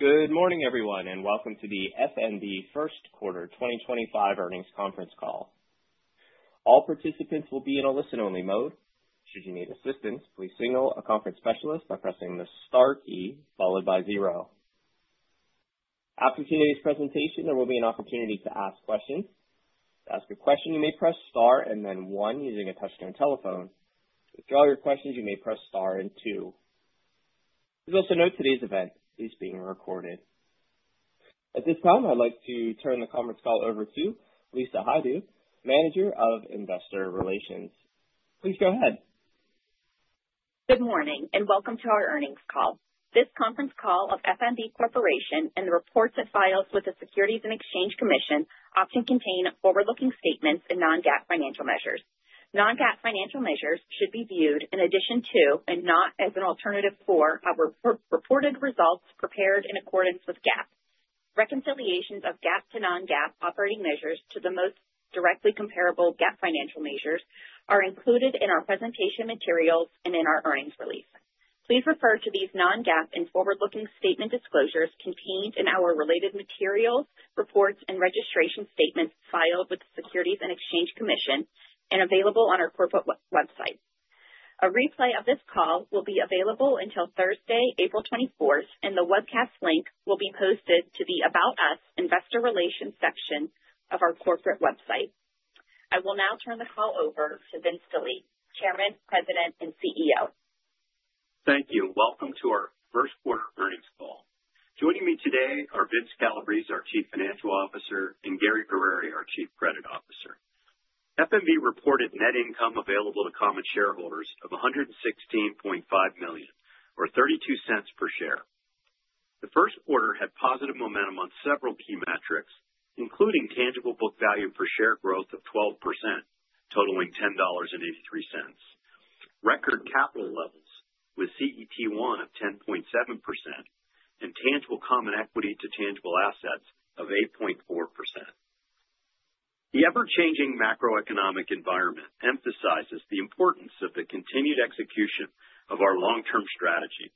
Good morning, everyone, and welcome to the F.N.B. First Quarter 2025 earnings conference call. All participants will be in a listen-only mode. Should you need assistance, please signal a conference specialist by pressing the star key followed by zero. After today's presentation, there will be an opportunity to ask questions. To ask a question, you may press star and then one using a touchscreen telephone. To withdraw your questions, you may press star and two. Please also note today's event is being recorded. At this time, I'd like to turn the conference call over to Lisa Hajdu, Manager of Investor Relations. Please go ahead. Good morning and welcome to our earnings call. This conference call of F.N.B. Corporation and the reports it files with the Securities and Exchange Commission often contain forward-looking statements and non-GAAP financial measures. Non-GAAP financial measures should be viewed in addition to and not as an alternative for our reported results prepared in accordance with GAAP. Reconciliations of GAAP to non-GAAP operating measures to the most directly comparable GAAP financial measures are included in our presentation materials and in our earnings release. Please refer to these non-GAAP and forward-looking statement disclosures contained in our related materials, reports, and registration statements filed with the Securities and Exchange Commission and available on our corporate website. A replay of this call will be available until Thursday, April 24th, and the webcast link will be posted to the About Us Investor Relations section of our corporate website. I will now turn the call over to Vince Delie, Chairman, President, and CEO. Thank you. Welcome to our first quarter earnings call. Joining me today are Vince Calabrese, our Chief Financial Officer, and Gary Guerrieri, our Chief Credit Officer. F.N.B. reported net income available to common shareholders of $116.5 million, or $0.32 per share. The first quarter had positive momentum on several key metrics, including tangible book value per share growth of 12%, totaling $10.83, record capital levels with CET1 of 10.7%, and tangible common equity to tangible assets of 8.4%. The ever-changing macroeconomic environment emphasizes the importance of the continued execution of our long-term strategy,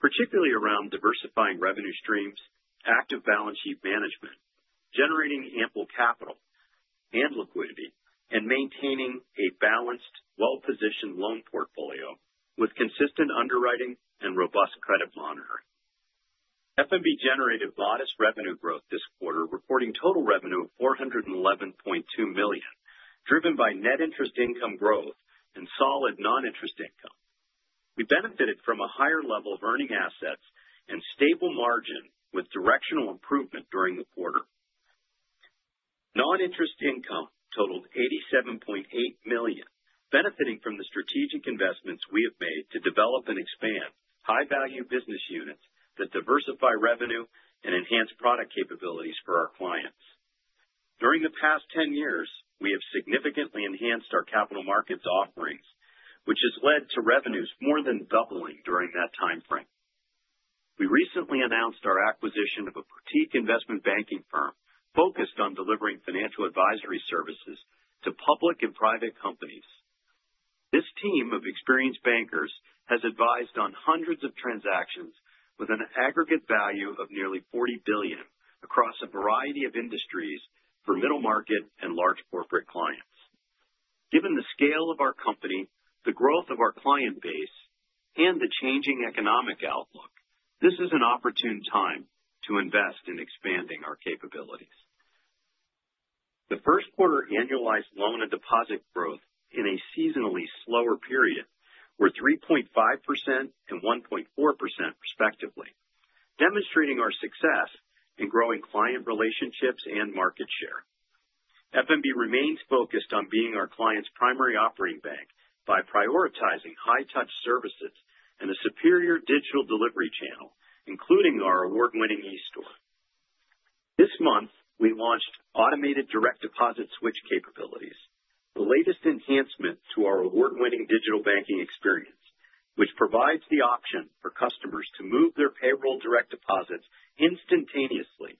particularly around diversifying revenue streams, active balance sheet management, generating ample capital and liquidity, and maintaining a balanced, well-positioned loan portfolio with consistent underwriting and robust credit monitoring. F.N.B. generated modest revenue growth this quarter, reporting total revenue of $411.2 million, driven by net interest income growth and solid non-interest income. We benefited from a higher level of earning assets and stable margin with directional improvement during the quarter. Non-interest income totaled $87.8 million, benefiting from the strategic investments we have made to develop and expand high-value business units that diversify revenue and enhance product capabilities for our clients. During the past 10 years, we have significantly enhanced our capital markets offerings, which has led to revenues more than doubling during that timeframe. We recently announced our acquisition of a boutique investment banking firm focused on delivering financial advisory services to public and private companies. This team of experienced bankers has advised on hundreds of transactions with an aggregate value of nearly $40 billion across a variety of industries for middle market and large corporate clients. Given the scale of our company, the growth of our client base, and the changing economic outlook, this is an opportune time to invest in expanding our capabilities. The first quarter annualized loan and deposit growth in a seasonally slower period were 3.5% and 1.4%, respectively, demonstrating our success in growing client relationships and market share. F.N.B. remains focused on being our client's primary operating bank by prioritizing high-touch services and a superior digital delivery channel, including our award-winning eStore. This month, we launched automated direct deposit switch capabilities, the latest enhancement to our award-winning digital banking experience, which provides the option for customers to move their payroll direct deposits instantaneously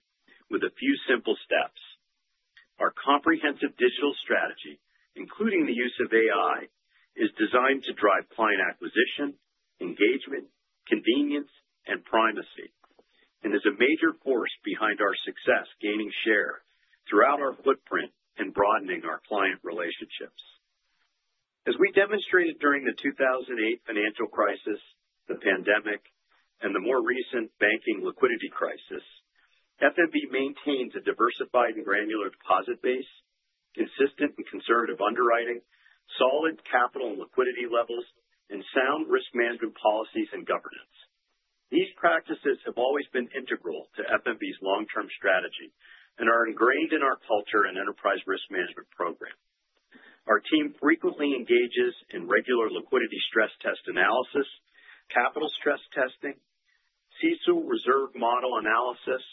with a few simple steps. Our comprehensive digital strategy, including the use of AI, is designed to drive client acquisition, engagement, convenience, and primacy, and is a major force behind our success gaining share throughout our footprint and broadening our client relationships. As we demonstrated during the 2008 financial crisis, the pandemic, and the more recent banking liquidity crisis, F.N.B. maintains a diversified and granular deposit base, consistent and conservative underwriting, solid capital and liquidity levels, and sound risk management policies and governance. These practices have always been integral to F.N.B.'s long-term strategy and are ingrained in our culture and enterprise risk management program. Our team frequently engages in regular liquidity stress test analysis, capital stress testing, CECL reserve model analysis,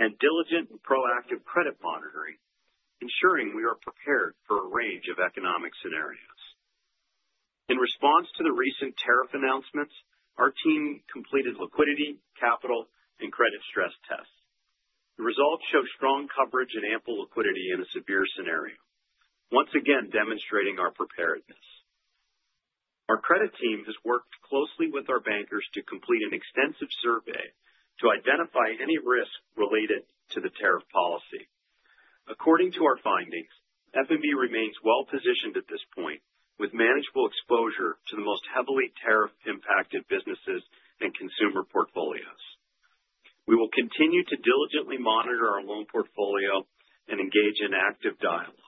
and diligent and proactive credit monitoring, ensuring we are prepared for a range of economic scenarios. In response to the recent tariff announcements, our team completed liquidity, capital, and credit stress tests. The results show strong coverage and ample liquidity in a severe scenario, once again demonstrating our preparedness. Our credit team has worked closely with our bankers to complete an extensive survey to identify any risk related to the tariff policy. According to our findings, F.N.B. remains well-positioned at this point with manageable exposure to the most heavily tariff-impacted businesses and consumer portfolios. We will continue to diligently monitor our loan portfolio and engage in active dialogues.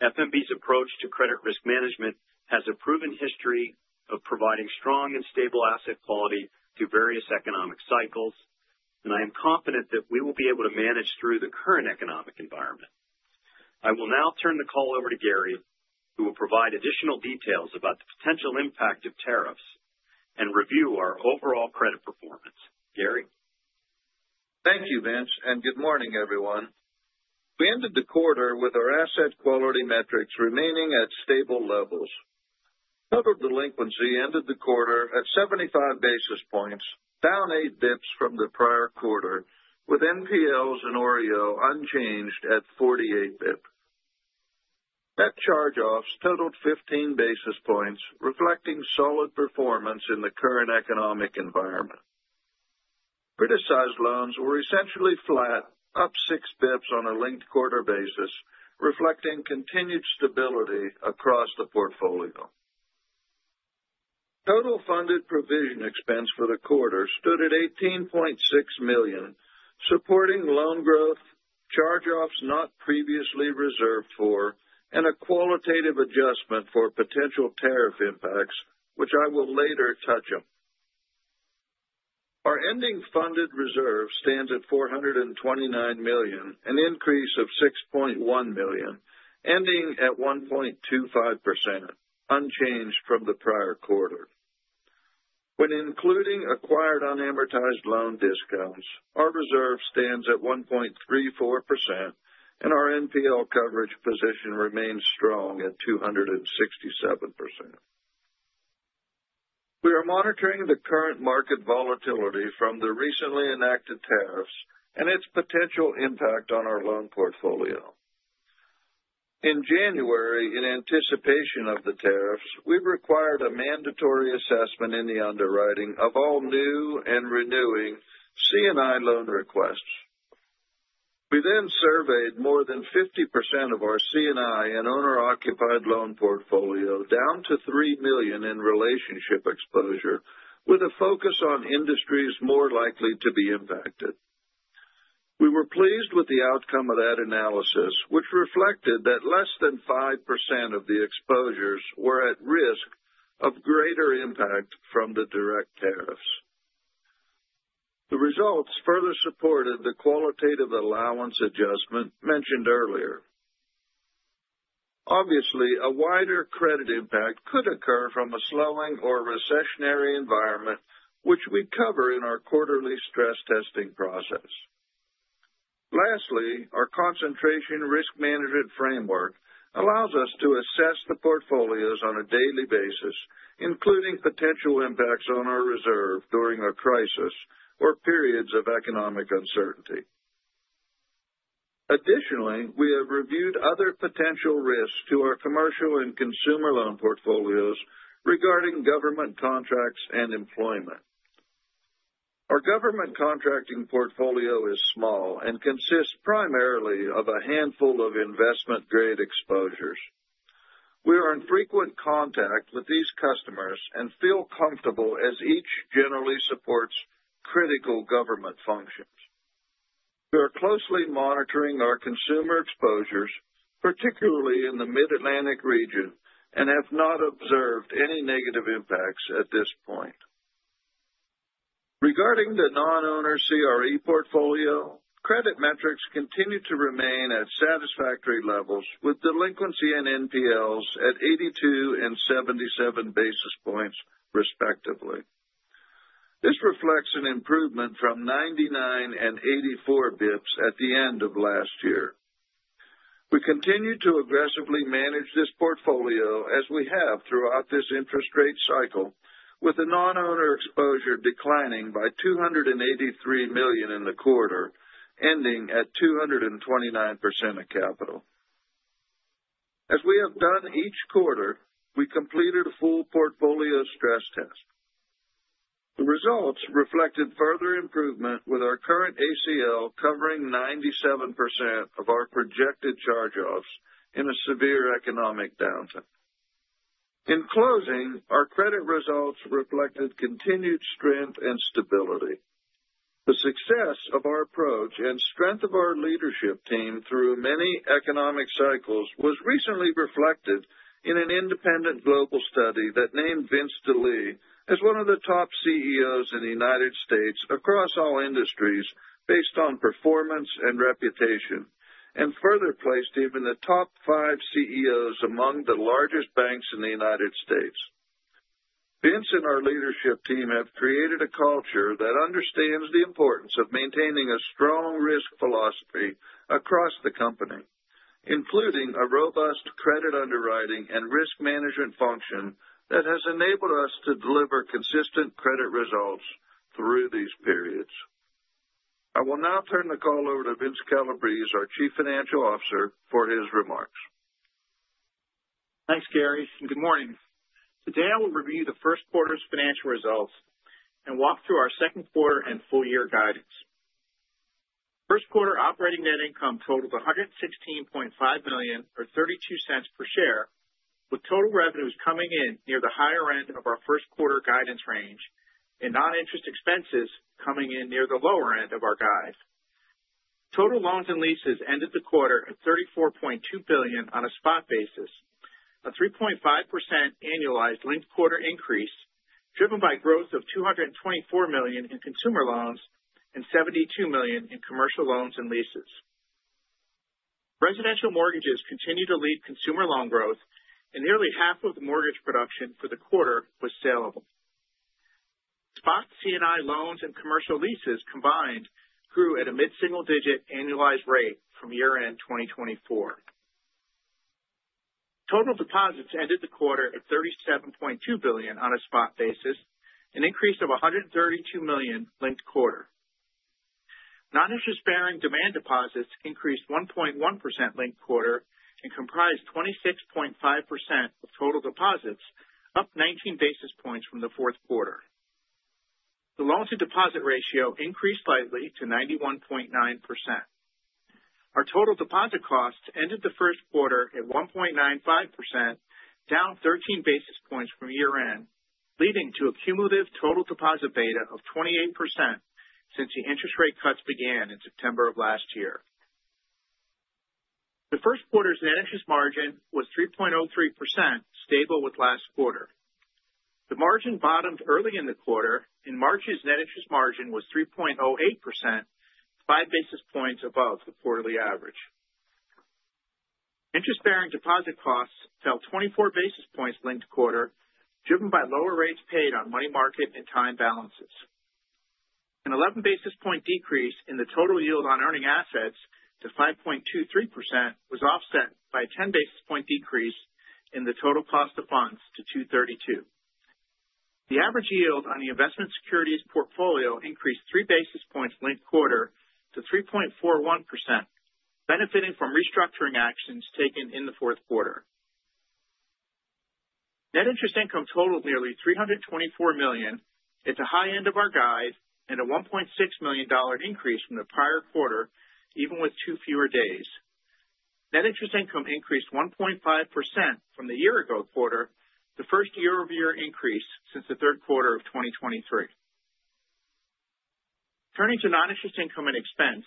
F.N.B.'s approach to credit risk management has a proven history of providing strong and stable asset quality through various economic cycles, and I am confident that we will be able to manage through the current economic environment. I will now turn the call over to Gary, who will provide additional details about the potential impact of tariffs and review our overall credit performance. Gary? Thank you, Vince, and good morning, everyone. We ended the quarter with our asset quality metrics remaining at stable levels. Federal delinquency ended the quarter at 75 basis points, down eight basis points from the prior quarter, with NPLs and OREO unchanged at 48 basis points. Net charge-offs totaled 15 basis points, reflecting solid performance in the current economic environment. Credit-sized loans were essentially flat, up six basis points on a linked quarter basis, reflecting continued stability across the portfolio. Total funded provision expense for the quarter stood at $18.6 million, supporting loan growth, charge-offs not previously reserved for, and a qualitative adjustment for potential tariff impacts, which I will later touch on. Our ending funded reserve stands at $429 million, an increase of $6.1 million, ending at 1.25%, unchanged from the prior quarter. When including acquired unamortized loan discounts, our reserve stands at 1.34%, and our NPL coverage position remains strong at 267%. We are monitoring the current market volatility from the recently enacted tariffs and its potential impact on our loan portfolio. In January, in anticipation of the tariffs, we required a mandatory assessment in the underwriting of all new and renewing C&I loan requests. We then surveyed more than 50% of our C&I and owner-occupied loan portfolio down to $3 million in relationship exposure, with a focus on industries more likely to be impacted. We were pleased with the outcome of that analysis, which reflected that less than 5% of the exposures were at risk of greater impact from the direct tariffs. The results further supported the qualitative allowance adjustment mentioned earlier. Obviously, a wider credit impact could occur from a slowing or recessionary environment, which we cover in our quarterly stress testing process. Lastly, our concentration risk management framework allows us to assess the portfolios on a daily basis, including potential impacts on our reserve during a crisis or periods of economic uncertainty. Additionally, we have reviewed other potential risks to our commercial and consumer loan portfolios regarding government contracts and employment. Our government contracting portfolio is small and consists primarily of a handful of investment-grade exposures. We are in frequent contact with these customers and feel comfortable as each generally supports critical government functions. We are closely monitoring our consumer exposures, particularly in the Mid-Atlantic region, and have not observed any negative impacts at this point. Regarding the non-owner CRE portfolio, credit metrics continue to remain at satisfactory levels, with delinquency and NPLs at 82 and 77 basis points, respectively. This reflects an improvement from 99 and 84 basis points at the end of last year. We continue to aggressively manage this portfolio as we have throughout this interest rate cycle, with the non-owner exposure declining by $283 million in the quarter, ending at 229% of capital. As we have done each quarter, we completed a full portfolio stress test. The results reflected further improvement, with our current ACL covering 97% of our projected charge-offs in a severe economic downturn. In closing, our credit results reflected continued strength and stability. The success of our approach and strength of our leadership team through many economic cycles was recently reflected in an independent global study that named Vince Delie as one of the top CEOs in the United States across all industries based on performance and reputation, and further placed him in the top five CEOs among the largest banks in the United States. Vince and our leadership team have created a culture that understands the importance of maintaining a strong risk philosophy across the company, including a robust credit underwriting and risk management function that has enabled us to deliver consistent credit results through these periods. I will now turn the call over to Vince Calabrese, our Chief Financial Officer, for his remarks. Thanks, Gary, and good morning. Today, I will review the first quarter's financial results and walk through our second quarter and full-year guidance. First quarter operating net income totaled $116.5 million, or $0.32 per share, with total revenues coming in near the higher end of our first quarter guidance range and non-interest expenses coming in near the lower end of our guide. Total loans and leases ended the quarter at $34.2 billion on a spot basis, a 3.5% annualized linked quarter increase driven by growth of $224 million in consumer loans and $72 million in commercial loans and leases. Residential mortgages continue to lead consumer loan growth, and nearly half of the mortgage production for the quarter was saleable. Spot C&I loans and commercial leases combined grew at a mid-single-digit annualized rate from year-end 2024. Total deposits ended the quarter at $37.2 billion on a spot basis, an increase of $132 million linked quarter. Non-interest-bearing demand deposits increased 1.1% linked quarter and comprised 26.5% of total deposits, up 19 basis points from the fourth quarter. The loan-to-deposit ratio increased slightly to 91.9%. Our total deposit costs ended the first quarter at 1.95%, down 13 basis points from year-end, leading to a cumulative total deposit beta of 28% since the interest rate cuts began in September of last year. The first quarter's net interest margin was 3.03%, stable with last quarter. The margin bottomed early in the quarter, and March's net interest margin was 3.08%, 5 basis points above the quarterly average. Interest-bearing deposit costs fell 24 basis points linked quarter, driven by lower rates paid on money market and time balances. An 11-basis-point decrease in the total yield on earning assets to 5.23% was offset by a 10-basis-point decrease in the total cost of funds to 2.32%. The average yield on the investment securities portfolio increased three basis points linked quarter to 3.41%, benefiting from restructuring actions taken in the fourth quarter. Net interest income totaled nearly $324 million at the high end of our guide and a $1.6 million increase from the prior quarter, even with 2 fewer days. Net interest income increased 1.5% from the year-ago quarter, the first year-over-year increase since the third quarter of 2023. Turning to non-interest income and expense,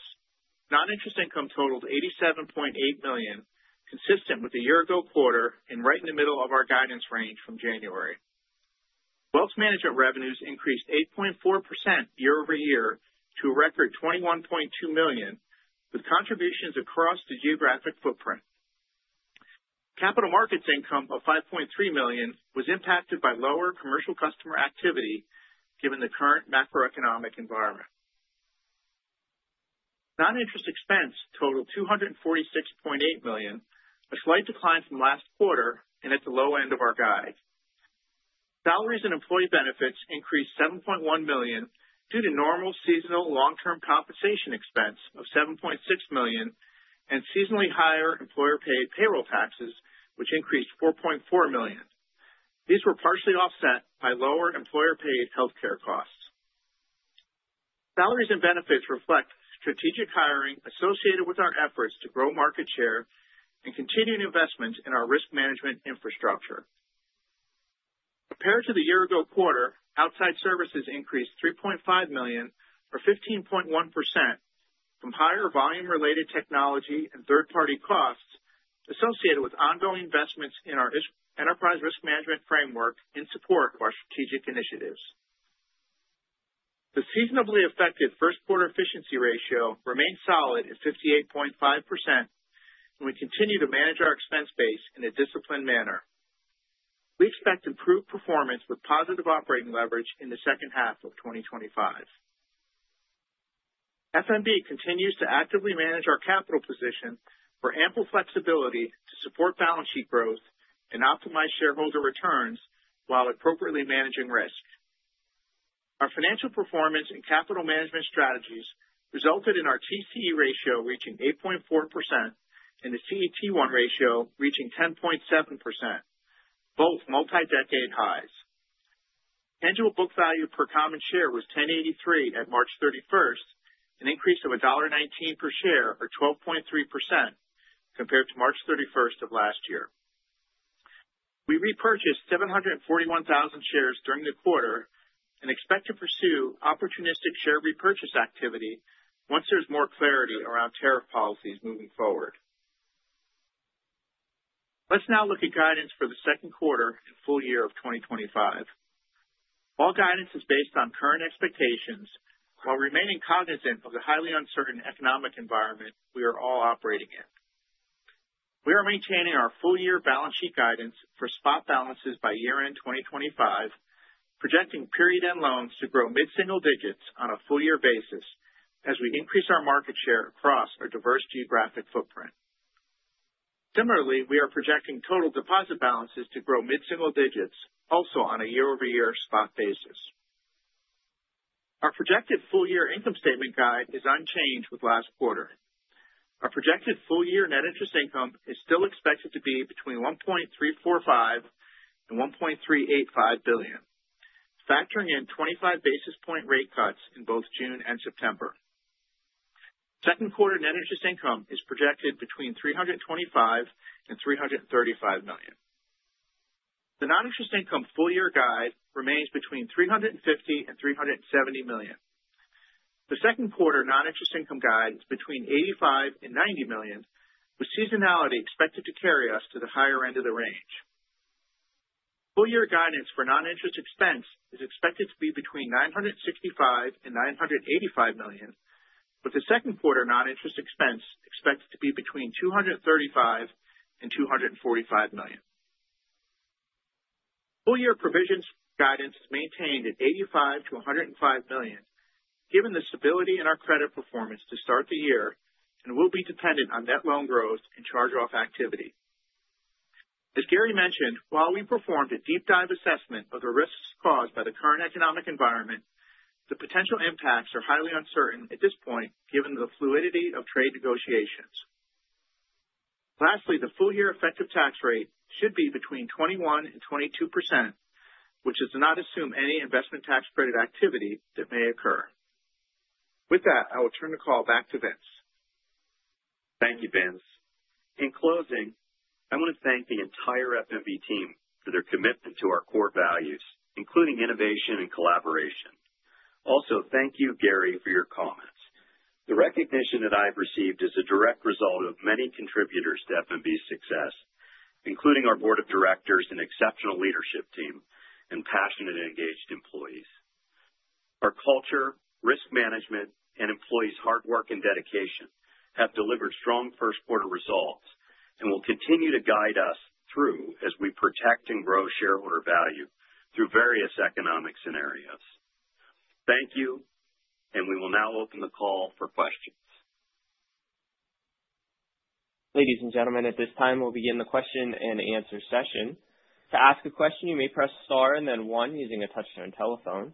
non-interest income totaled $87.8 million, consistent with the year-ago quarter and right in the middle of our guidance range from January. Wealth Management revenues increased 8.4% year-over-year to a record $21.2 million, with contributions across the geographic footprint. Capital markets income of $5.3 million was impacted by lower commercial customer activity given the current macroeconomic environment. Non-interest expense totaled $246.8 million, a slight decline from last quarter and at the low end of our guide. Salaries and employee benefits increased $7.1 million due to normal seasonal long-term compensation expense of $7.6 million and seasonally higher employer-paid payroll taxes, which increased $4.4 million. These were partially offset by lower employer-paid healthcare costs. Salaries and benefits reflect strategic hiring associated with our efforts to grow market share and continued investment in our risk management infrastructure. Compared to the year-ago quarter, outside services increased $3.5 million, or 15.1%, from higher volume-related technology and third-party costs associated with ongoing investments in our enterprise risk management framework in support of our strategic initiatives. The seasonably affected first-quarter efficiency ratio remained solid at 58.5%, and we continue to manage our expense base in a disciplined manner. We expect improved performance with positive operating leverage in the second half of 2025. F.N.B. continues to actively manage our capital position for ample flexibility to support balance sheet growth and optimize shareholder returns while appropriately managing risk. Our financial performance and capital management strategies resulted in our TCE ratio reaching 8.4% and the CET1 ratio reaching 10.7%, both multi-decade highs. Annual book value per common share was $10.83 at March 31, an increase of $1.19 per share, or 12.3%, compared to March 31st of last year. We repurchased 741,000 shares during the quarter and expect to pursue opportunistic share repurchase activity once there's more clarity around tariff policies moving forward. Let's now look at guidance for the second quarter and full year of 2025. All guidance is based on current expectations while remaining cognizant of the highly uncertain economic environment we are all operating in. We are maintaining our full-year balance sheet guidance for spot balances by year-end 2025, projecting period-end loans to grow mid-single digits on a full-year basis as we increase our market share across our diverse geographic footprint. Similarly, we are projecting total deposit balances to grow mid-single digits also on a year-over-year spot basis. Our projected full-year income statement guide is unchanged with last quarter. Our projected full-year net interest income is still expected to be between $1.345 billion and $1.385 billion, factoring in 25 basis-point rate cuts in both June and September. Second quarter net interest income is projected between $325 million and $335 million. The non-interest income full-year guide remains between $350 million and $370 million. The second quarter non-interest income guide is between $85 and $90 million, with seasonality expected to carry us to the higher end of the range. Full-year guidance for non-interest expense is expected to be between $965 and $985 million, with the second quarter non-interest expense expected to be between $235 and $245 million. Full-year provisions guidance is maintained at $85 million-$105 million, given the stability in our credit performance to start the year and will be dependent on net loan growth and charge-off activity. As Gary mentioned, while we performed a deep-dive assessment of the risks caused by the current economic environment, the potential impacts are highly uncertain at this point given the fluidity of trade negotiations. Lastly, the full-year effective tax rate should be between 21% and 22%, which is to not assume any investment tax credit activity that may occur. With that, I will turn the call back to Vince. Thank you, Vince. In closing, I want to thank the entire F.N.B. team for their commitment to our core values, including innovation and collaboration. Also, thank you, Gary, for your comments. The recognition that I've received is a direct result of many contributors to F.N.B.'s success, including our board of directors and exceptional leadership team and passionate and engaged employees. Our culture, risk management, and employees' hard work and dedication have delivered strong first-quarter results and will continue to guide us through as we protect and grow shareholder value through various economic scenarios. Thank you, and we will now open the call for questions. Ladies and gentlemen, at this time, we'll begin the question and answer session. To ask a question, you may press Star and then One using a touchscreen telephone.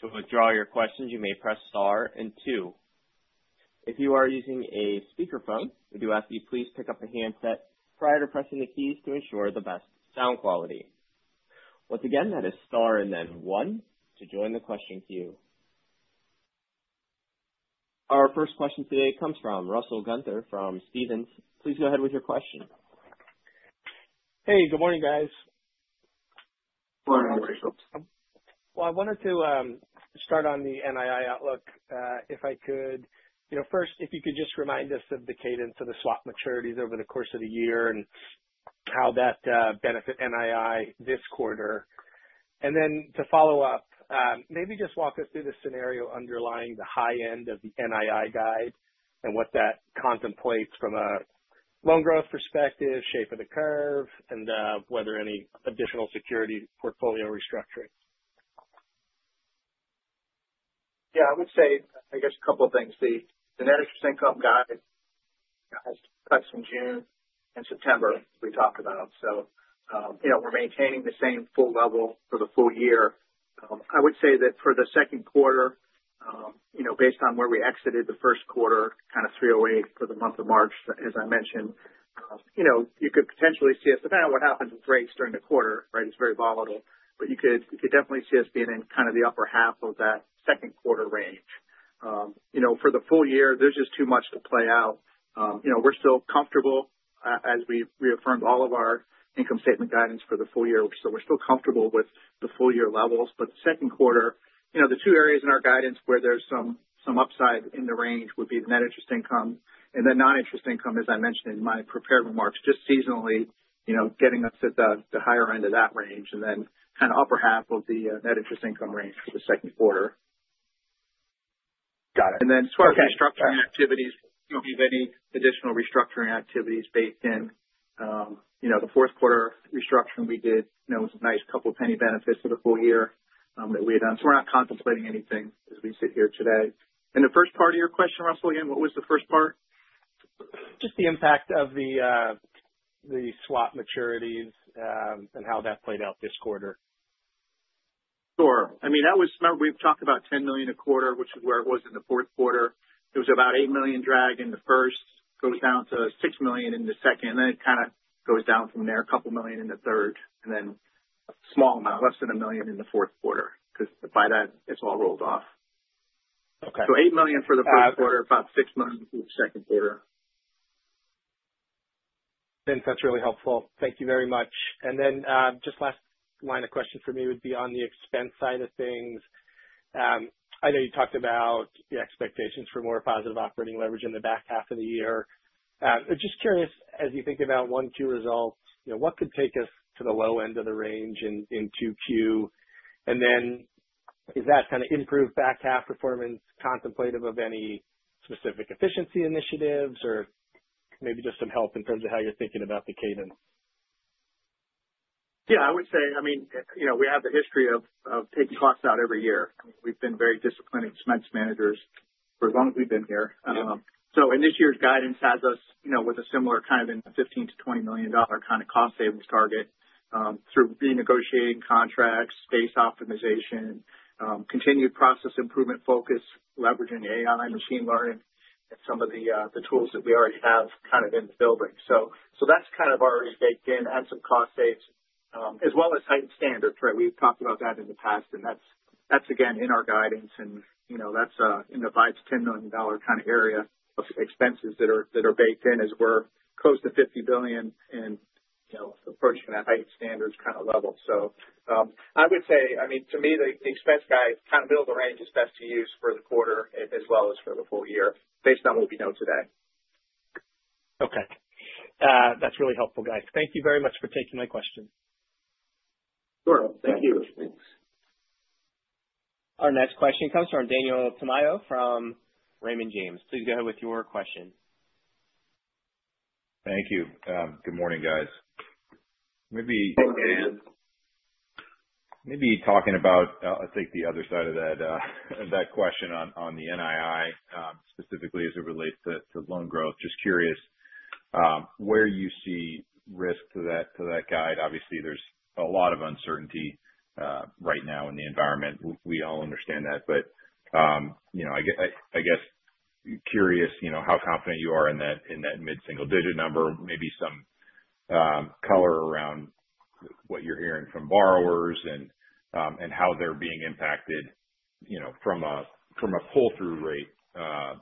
To withdraw your questions, you may press star and two. If you are using a speakerphone, we do ask that you please pick up the handset prior to pressing the keys to ensure the best sound quality. Once again, that is star and then one to join the question queue. Our first question today comes from Russell Gunther from Stephens. Please go ahead with your question. Hey, good morning, guys. Morning, Russell. I wanted to start on the NII outlook. If I could, first, if you could just remind us of the cadence of the swap maturities over the course of the year and how that benefits NII this quarter. To follow up, maybe just walk us through the scenario underlying the high end of the NII guide and what that contemplates from a loan growth perspective, shape of the curve, and whether any additional security portfolio restructuring. Yeah, I would say, I guess, a couple of things. The net interest income guide has cuts in June and September, as we talked about. We are maintaining the same full level for the full year. I would say that for the second quarter, based on where we exited the first quarter, kind of 308 for the month of March, as I mentioned, you could potentially see us, depending on what happens with rates during the quarter, right, it is very volatile, but you could definitely see us being in kind of the upper half of that second quarter range. For the full year, there is just too much to play out. We are still comfortable, as we reaffirmed all of our income statement guidance for the full year, so we are still comfortable with the full-year levels. The second quarter, the two areas in our guidance where there's some upside in the range would be the net interest income and then non-interest income, as I mentioned in my prepared remarks, just seasonally getting us at the higher end of that range and then kind of upper half of the net interest income range for the second quarter. Got it. As far as restructuring activities, if you have any additional restructuring activities baked in, the fourth quarter restructuring we did was a nice couple of penny benefits for the full year that we had done. We are not contemplating anything as we sit here today. The first part of your question, Russell, again, what was the first part? Just the impact of the swap maturities and how that played out this quarter. Sure. I mean, that was, remember, we talked about $10 million a quarter, which is where it was in the fourth quarter. It was about $8 million drag in the first, goes down to $6 million in the second, and then it kind of goes down from there, a couple million in the third, and then a small amount, less than a million in the fourth quarter, because by then it is all rolled off. $8 million for the first quarter, about $6 million for the second quarter. Vince, that's really helpful. Thank you very much. Just last line of question for me would be on the expense side of things. I know you talked about the expectations for more positive operating leverage in the back half of the year. Just curious, as you think about 1Q result, what could take us to the low end of the range in 2Q? Is that kind of improved back half performance contemplative of any specific efficiency initiatives or maybe just some help in terms of how you're thinking about the cadence? Yeah, I would say, I mean, we have the history of taking costs out every year. We've been very disciplined expense managers for as long as we've been here. In this year's guidance, has us with a similar kind of in the $15 million-$20 million kind of cost savings target through renegotiating contracts, space optimization, continued process improvement focus, leveraging AI and machine learning, and some of the tools that we already have kind of in the building. That's kind of already baked in, add some cost savings, as well as heightened standards, right? We've talked about that in the past, and that's, again, in our guidance, and that's in the $5 million-$10 million kind of area of expenses that are baked in as we're close to $50 billion and approaching that heightened standards kind of level. I would say, I mean, to me, the expense guide kind of middle of the range is best to use for the quarter as well as for the full year based on what we know today. Okay. That's really helpful, guys. Thank you very much for taking my question. Sure. Thank you. Our next question comes from Daniel Tamayo from Raymond James. Please go ahead with your question. Thank you. Good morning, guys. Maybe talking about, I think, the other side of that question on the NII specifically as it relates to loan growth, just curious where you see risk to that guide. Obviously, there's a lot of uncertainty right now in the environment. We all understand that. I guess curious how confident you are in that mid-single digit number, maybe some color around what you're hearing from borrowers and how they're being impacted from a pull-through rate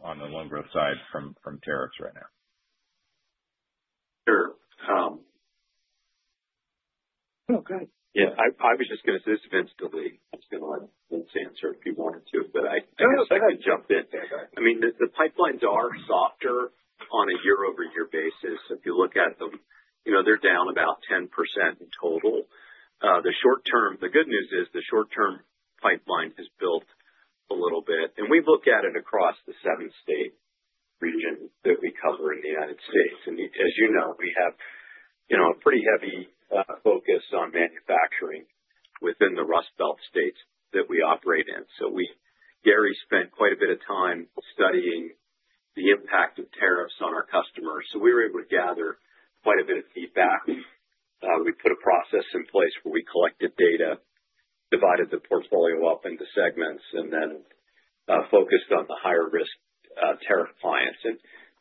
on the loan growth side from tariffs right now. Sure. Oh, go ahead. Yeah, I was just going to say this is Vince Delie. I was going to let Vince answer if he wanted to, but I guess I could jump in. I mean, the pipelines are softer on a year-over-year basis. If you look at them, they're down about 10% in total. The good news is the short-term pipeline has built a little bit. We look at it across the seven-state region that we cover in the United States. As you know, we have a pretty heavy focus on manufacturing within the Rust Belt states that we operate in. Gary spent quite a bit of time studying the impact of tariffs on our customers. We were able to gather quite a bit of feedback. We put a process in place where we collected data, divided the portfolio up into segments, and then focused on the higher-risk tariff clients.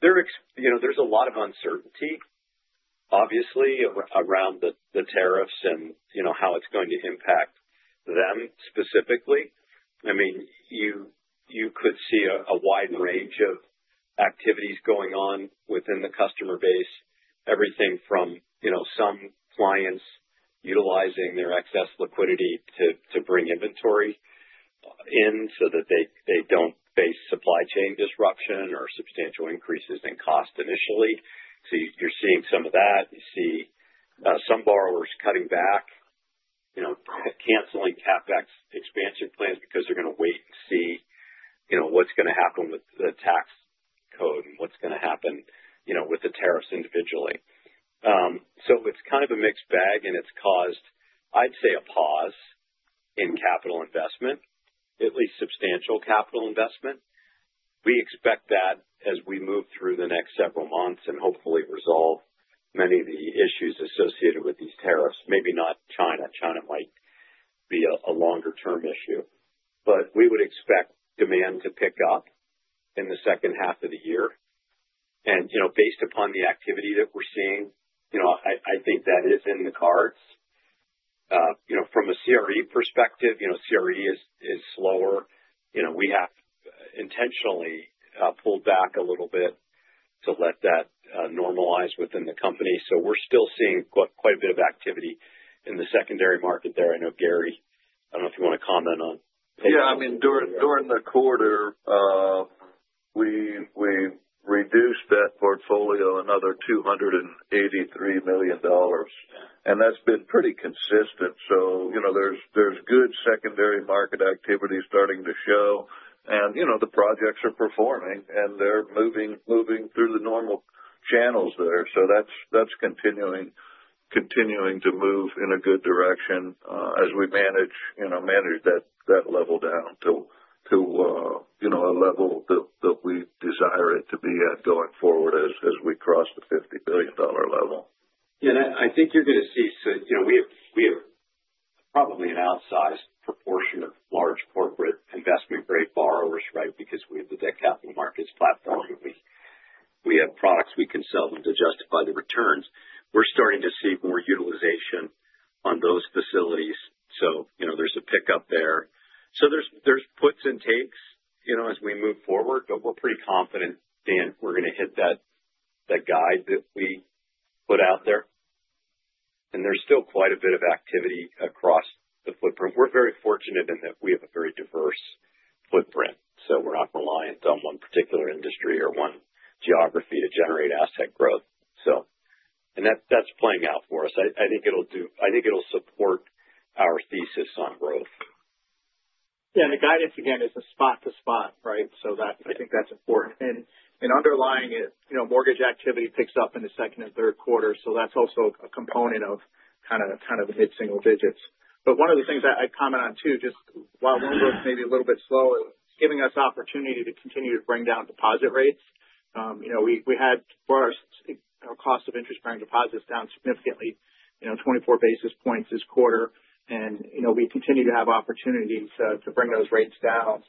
There's a lot of uncertainty, obviously, around the tariffs and how it's going to impact them specifically. I mean, you could see a wide range of activities going on within the customer base, everything from some clients utilizing their excess liquidity to bring inventory in so that they don't face supply chain disruption or substantial increases in cost initially. You're seeing some of that. You see some borrowers cutting back, canceling CapEx expansion plans because they're going to wait and see what's going to happen with the tax code and what's going to happen with the tariffs individually. It's kind of a mixed bag, and it's caused, I'd say, a pause in capital investment, at least substantial capital investment. We expect that as we move through the next several months and hopefully resolve many of the issues associated with these tariffs. Maybe not China. China might be a longer-term issue. We would expect demand to pick up in the second half of the year. Based upon the activity that we're seeing, I think that is in the cards. From a CRE perspective, CRE is slower. We have intentionally pulled back a little bit to let that normalize within the company. We are still seeing quite a bit of activity in the secondary market there. I know Gary, I do not know if you want to comment on. Yeah, I mean, during the quarter, we reduced that portfolio another $283 million. That's been pretty consistent. There is good secondary market activity starting to show. The projects are performing, and they're moving through the normal channels there. That is continuing to move in a good direction as we manage that level down to a level that we desire it to be at going forward as we cross the $50 billion level. Yeah, and I think you're going to see we have probably an outsized proportion of large corporate investment-grade borrowers, right, because we have the debt capital markets platform, and we have products we can sell them to justify the returns. We're starting to see more utilization on those facilities. There is a pickup there. There are puts and takes as we move forward, but we're pretty confident, Dan, we're going to hit that guide that we put out there. There is still quite a bit of activity across the footprint. We're very fortunate in that we have a very diverse footprint. We are not reliant on one particular industry or one geography to generate asset growth. That is playing out for us. I think it will support our thesis on growth. Yeah, and the guidance, again, is a spot-to-spot, right? I think that's important. Underlying it, mortgage activity picks up in the second and third quarter. That's also a component of kind of the mid-single digits. One of the things I'd comment on too, just while loan growth may be a little bit slow, it's giving us opportunity to continue to bring down deposit rates. We had our cost of interest-bearing deposits down significantly, 24 basis points this quarter. We continue to have opportunities to bring those rates down.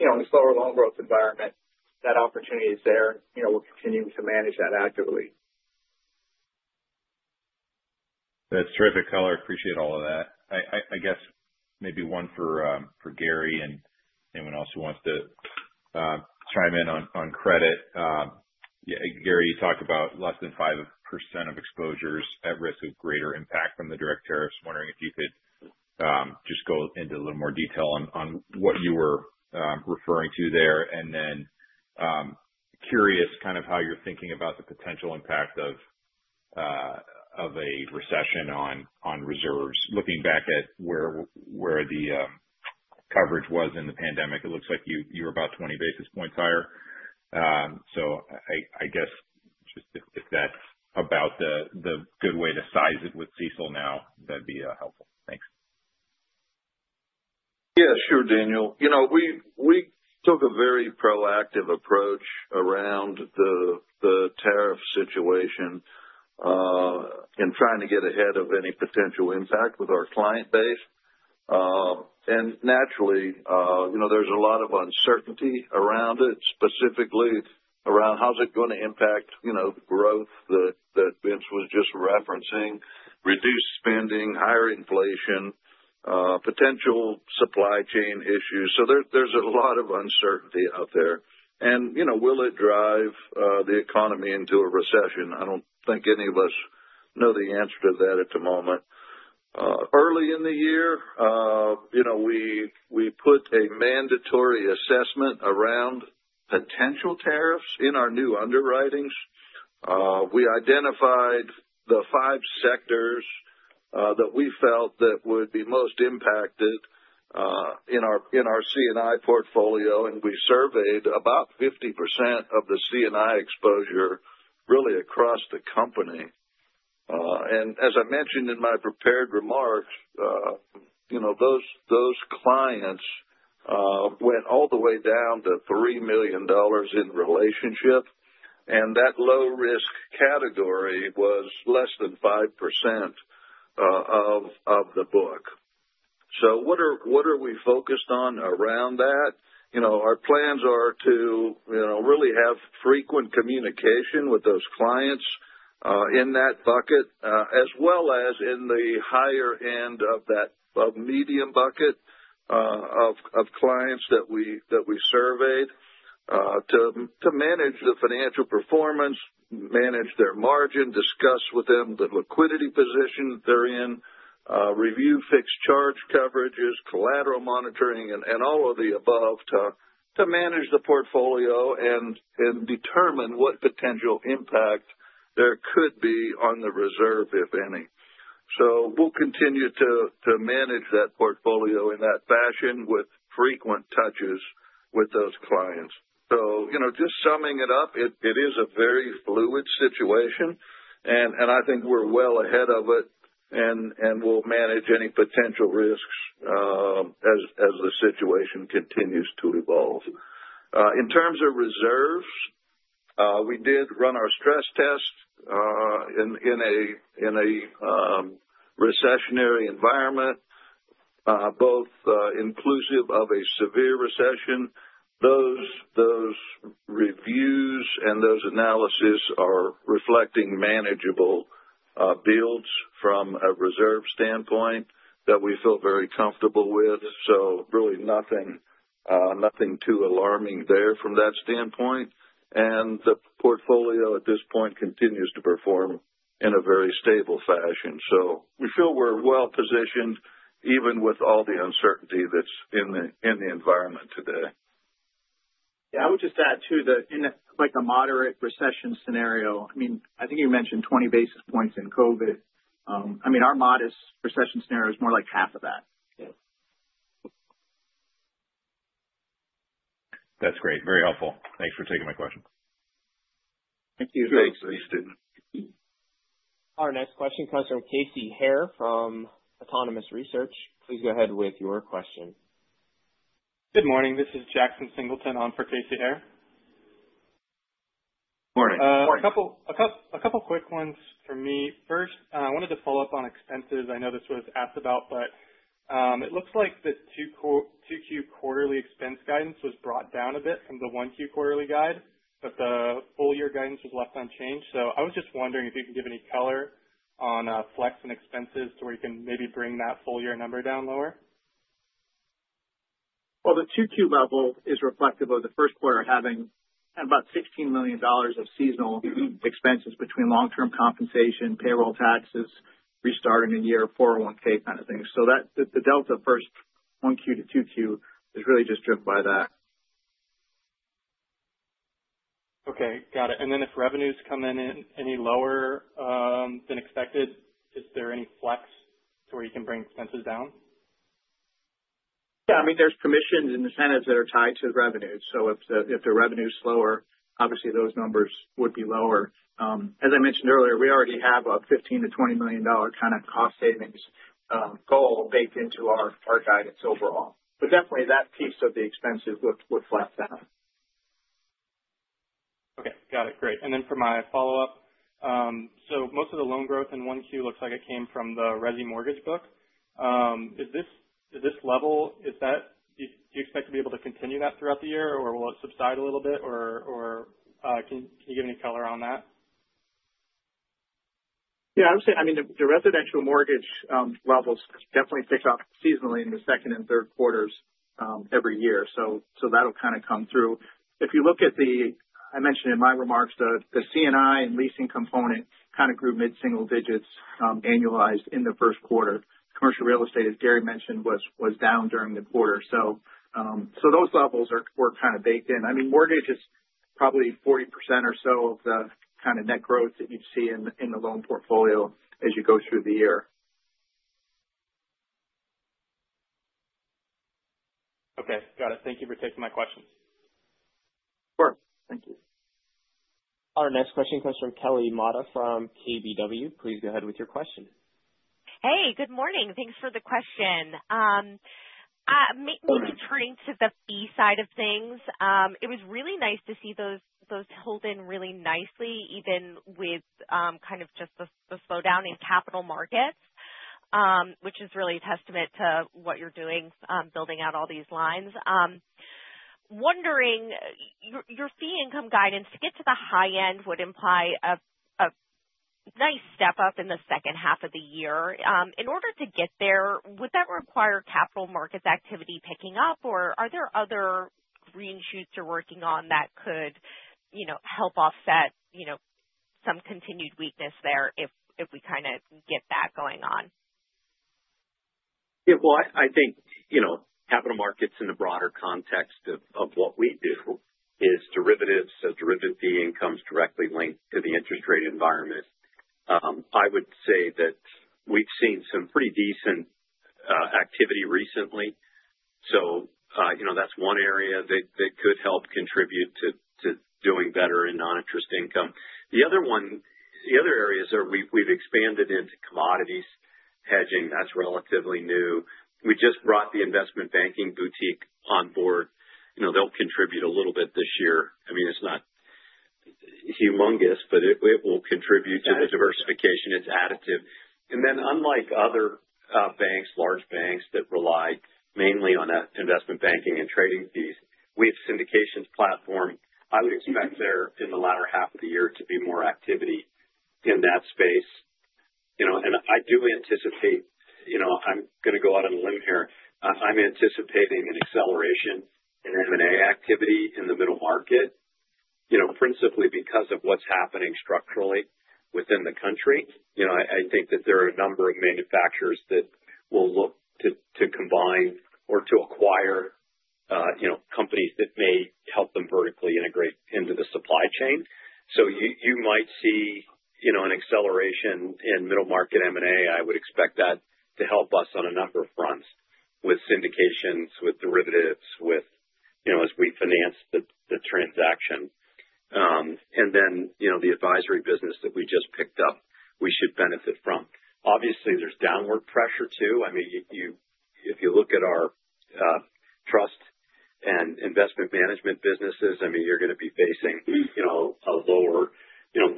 In a slower loan growth environment, that opportunity is there. We're continuing to manage that actively. That's terrific color. I appreciate all of that. I guess maybe one for Gary and anyone else who wants to chime in on credit. Gary, you talked about less than 5% of exposures at risk of greater impact from the direct tariffs. Wondering if you could just go into a little more detail on what you were referring to there. Curious kind of how you're thinking about the potential impact of a recession on reserves. Looking back at where the coverage was in the pandemic, it looks like you were about 20 basis points higher. I guess if that's about the good way to size it with CECL now, that'd be helpful. Thanks. Yeah, sure, Daniel. We took a very proactive approach around the tariff situation in trying to get ahead of any potential impact with our client base. Naturally, there's a lot of uncertainty around it, specifically around how's it going to impact growth that Vince was just referencing, reduced spending, higher inflation, potential supply chain issues. There's a lot of uncertainty out there. Will it drive the economy into a recession? I don't think any of us know the answer to that at the moment. Early in the year, we put a mandatory assessment around potential tariffs in our new underwritings. We identified the five sectors that we felt would be most impacted in our C&I portfolio, and we surveyed about 50% of the C&I exposure really across the company. As I mentioned in my prepared remarks, those clients went all the way down to $3 million in relationship, and that low-risk category was less than 5% of the book. What are we focused on around that? Our plans are to really have frequent communication with those clients in that bucket, as well as in the higher end of that medium bucket of clients that we surveyed to manage the financial performance, manage their margin, discuss with them the liquidity position they're in, review fixed charge coverages, collateral monitoring, and all of the above to manage the portfolio and determine what potential impact there could be on the reserve, if any. We will continue to manage that portfolio in that fashion with frequent touches with those clients. Just summing it up, it is a very fluid situation, and I think we're well ahead of it, and we'll manage any potential risks as the situation continues to evolve. In terms of reserves, we did run our stress test in a recessionary environment, both inclusive of a severe recession. Those reviews and those analyses are reflecting manageable builds from a reserve standpoint that we feel very comfortable with. Really nothing too alarming there from that standpoint. The portfolio at this point continues to perform in a very stable fashion. We feel we're well positioned even with all the uncertainty that's in the environment today. Yeah, I would just add to the in a moderate recession scenario, I mean, I think you mentioned 20 basis points in COVID. I mean, our modest recession scenario is more like half of that. That's great. Very helpful. Thanks for taking my question. Thank you. Thanks, Vince. Our next question comes from Casey Hare from Autonomous Research. Please go ahead with your question. Good morning. This is Jackson Singleton on for Casey Hare. Morning. Morning. A couple of quick ones for me. First, I wanted to follow up on expenses. I know this was asked about, but it looks like the 2Q quarterly expense guidance was brought down a bit from the 1Q quarterly guide, but the full-year guidance was left unchanged. I was just wondering if you can give any color on flex and expenses to where you can maybe bring that full-year number down lower. The 2Q level is reflective of the first quarter having about $16 million of seasonal expenses between long-term compensation, payroll taxes, restarting a year of 401(k) kind of thing. The delta first 1Q to 2Q is really just driven by that. Okay. Got it. If revenues come in any lower than expected, is there any flex to where you can bring expenses down? Yeah. I mean, there's permissions and incentives that are tied to revenues. So if the revenue is slower, obviously those numbers would be lower. As I mentioned earlier, we already have a $15 million-$20 million kind of cost savings goal baked into our guidance overall. But definitely that piece of the expenses would flex down. Okay. Got it. Great. For my follow-up, most of the loan growth in 1Q looks like it came from the Resi Mortgage book. Is this level, do you expect to be able to continue that throughout the year, or will it subside a little bit, or can you give any color on that? Yeah. I would say, I mean, the residential mortgage levels definitely pick up seasonally in the second and third quarters every year. That will kind of come through. If you look at the, I mentioned in my remarks, the C&I and leasing component kind of grew mid-single digits annualized in the first quarter. Commerc ial real estate, as Gary mentioned, was down during the quarter. Those levels were kind of baked in. I mean, mortgage is probably 40% or so of the kind of net growth that you would see in the loan portfolio as you go through the year. Okay. Got it. Thank you for taking my questions. Sure. Thank you. Our next question comes from Kelly Motta from KBW. Please go ahead with your question. Hey, good morning. Thanks for the question. Maybe turning to the fee side of things, it was really nice to see those hold in really nicely, even with kind of just the slowdown in capital markets, which is really a testament to what you're doing, building out all these lines. Wondering, your fee income guidance to get to the high end would imply a nice step up in the second half of the year. In order to get there, would that require capital markets activity picking up, or are there other green shoots you're working on that could help offset some continued weakness there if we kind of get that going on? Yeah. I think capital markets in the broader context of what we do is derivatives, so derivative fee income is directly linked to the interest rate environment. I would say that we've s een some pretty decent activity recently. That is one area that could help contribute to doing better in non-interest income. The other areas are we've expanded into commodities hedging. That's relatively new. We just brought the investment banking boutique on board. They'll contribute a little bit this year. I mean, it's not humongous, but it will contribute to the diversification. It's additive. Unlike other banks, large banks that relied mainly on investment banking and trading fees, we have syndications platform. I would expect there in the latter half of the year to be more activity in that space. I do anticipate I'm going to go out on a limb here. I'm anticipating an acceleration in M&A activity in the middle market, principally because of what's happening structurally within the country. I think that there are a number of manufacturers that will look to combine or to acquire companies that may help them vertically integrate into the supply chain. You might see an acceleration in middle market M&A. I would expect that to help us on a number of fronts with syndications, with derivatives, as we finance the transaction. The advisory business that we just picked up, we should benefit from. Obviously, there's downward pressure too. I mean, if you look at our trust and investment management businesses, I mean, you're going to be facing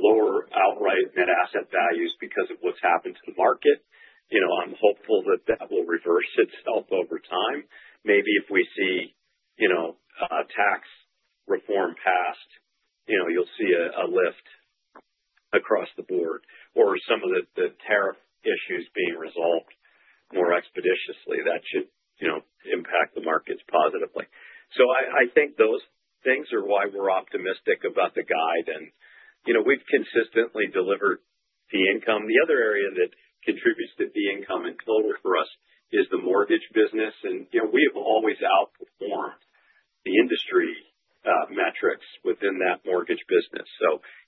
lower outright net asset values because of what's happened to the market. I'm hopeful that that will reverse itself over time. Maybe if we see a tax reform passed, you'll see a lift across the board or some of the tariff issues being resolved more expeditiously. That should impact the markets positively. I think those things are why we're optimistic about the guide. We've consistently delivered fee income. The other area that contributes to fee income in total for us is the mortgage business. We have always outperformed the industry metrics within that mortgage business.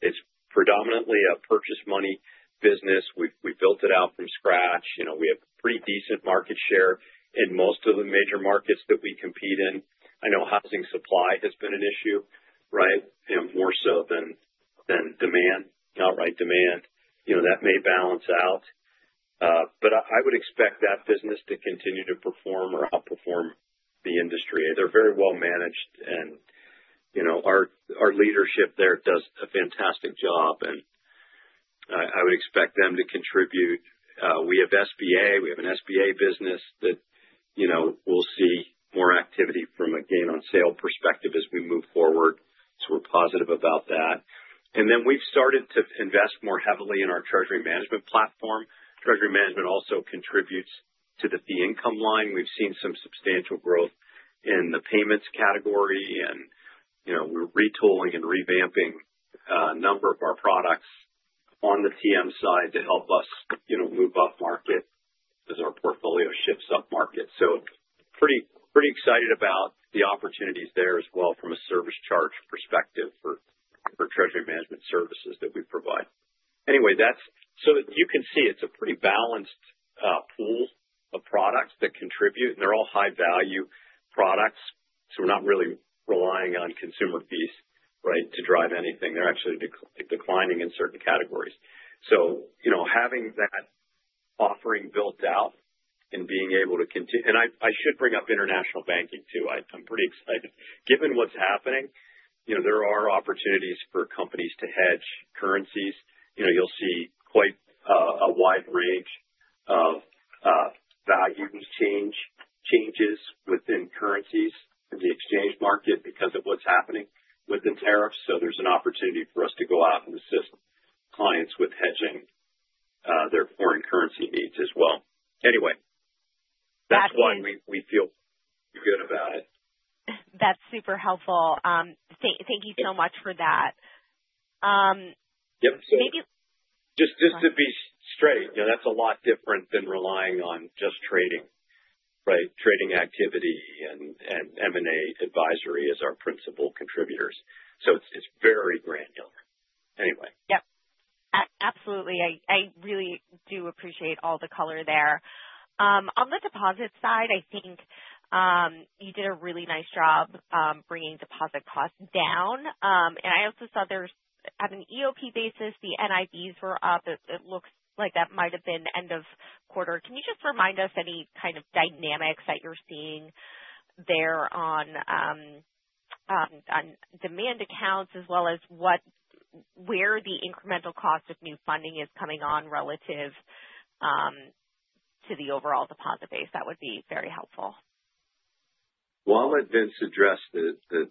It's predominantly a purchase money business. We built it out from scratch. We have pretty decent market share in most of the major markets that we compete in. I know housing supply has been an issue, right, more so than outright demand. That may balance out. I would expect that business to continue to perform or outperform the industry. They're very well managed, and our leadership there does a fantastic job. I would expect them to contribute. We have SBA. We have an SBA business that we'll see more activity from a gain-on-sale perspective as we move forward. We're positive about that. We've started to invest more heavily in our treasury management platform. Treasury management also contributes to the fee income line. We've seen some substantial growth in the payments category, and we're retooling and revamping a number of our products on the TM side to help us move up market as our portfolio shifts up market. I'm pretty excited about the opportunities there as well from a service charge perspective for treasury management services that we provide. Anyway, you can see it's a pretty balanced pool of products that contribute, and they're all high-value products. We're not really relying on consumer fees, right, to drive anything. They're actually declining in certain categories. Having that offering built out and being able to continue—I should bring up international banking too. I'm pretty excited. Given what's happening, there are opportunities for companies to hedge currencies. You'll see quite a wide range of value changes within currencies in the exchange market because of what's happening with the tariffs. There's an opportunity for us to go out and assist clients with hedging their foreign currency needs as well. Anyway, that's why we feel good about it. That's super helpful. Thank you so much for that. Yep. Just to be straight, that's a lot different than relying on just trading, right, trading activity and M&A advisory as our principal contributors. It's very granular. Anyway. Yep. Absolutely. I really do appreciate all the color there. On the deposit side, I think you did a really nice job bringing deposit costs down. I also saw there's on an EOP basis, the NIBs were up. It looks like that might have been end of quarter. Can you just remind us any kind of dynamics that you're seeing there on demand accounts as well as where the incremental cost of new funding is coming on relative to the overall deposit base? That would be very helpful. I have been suggested that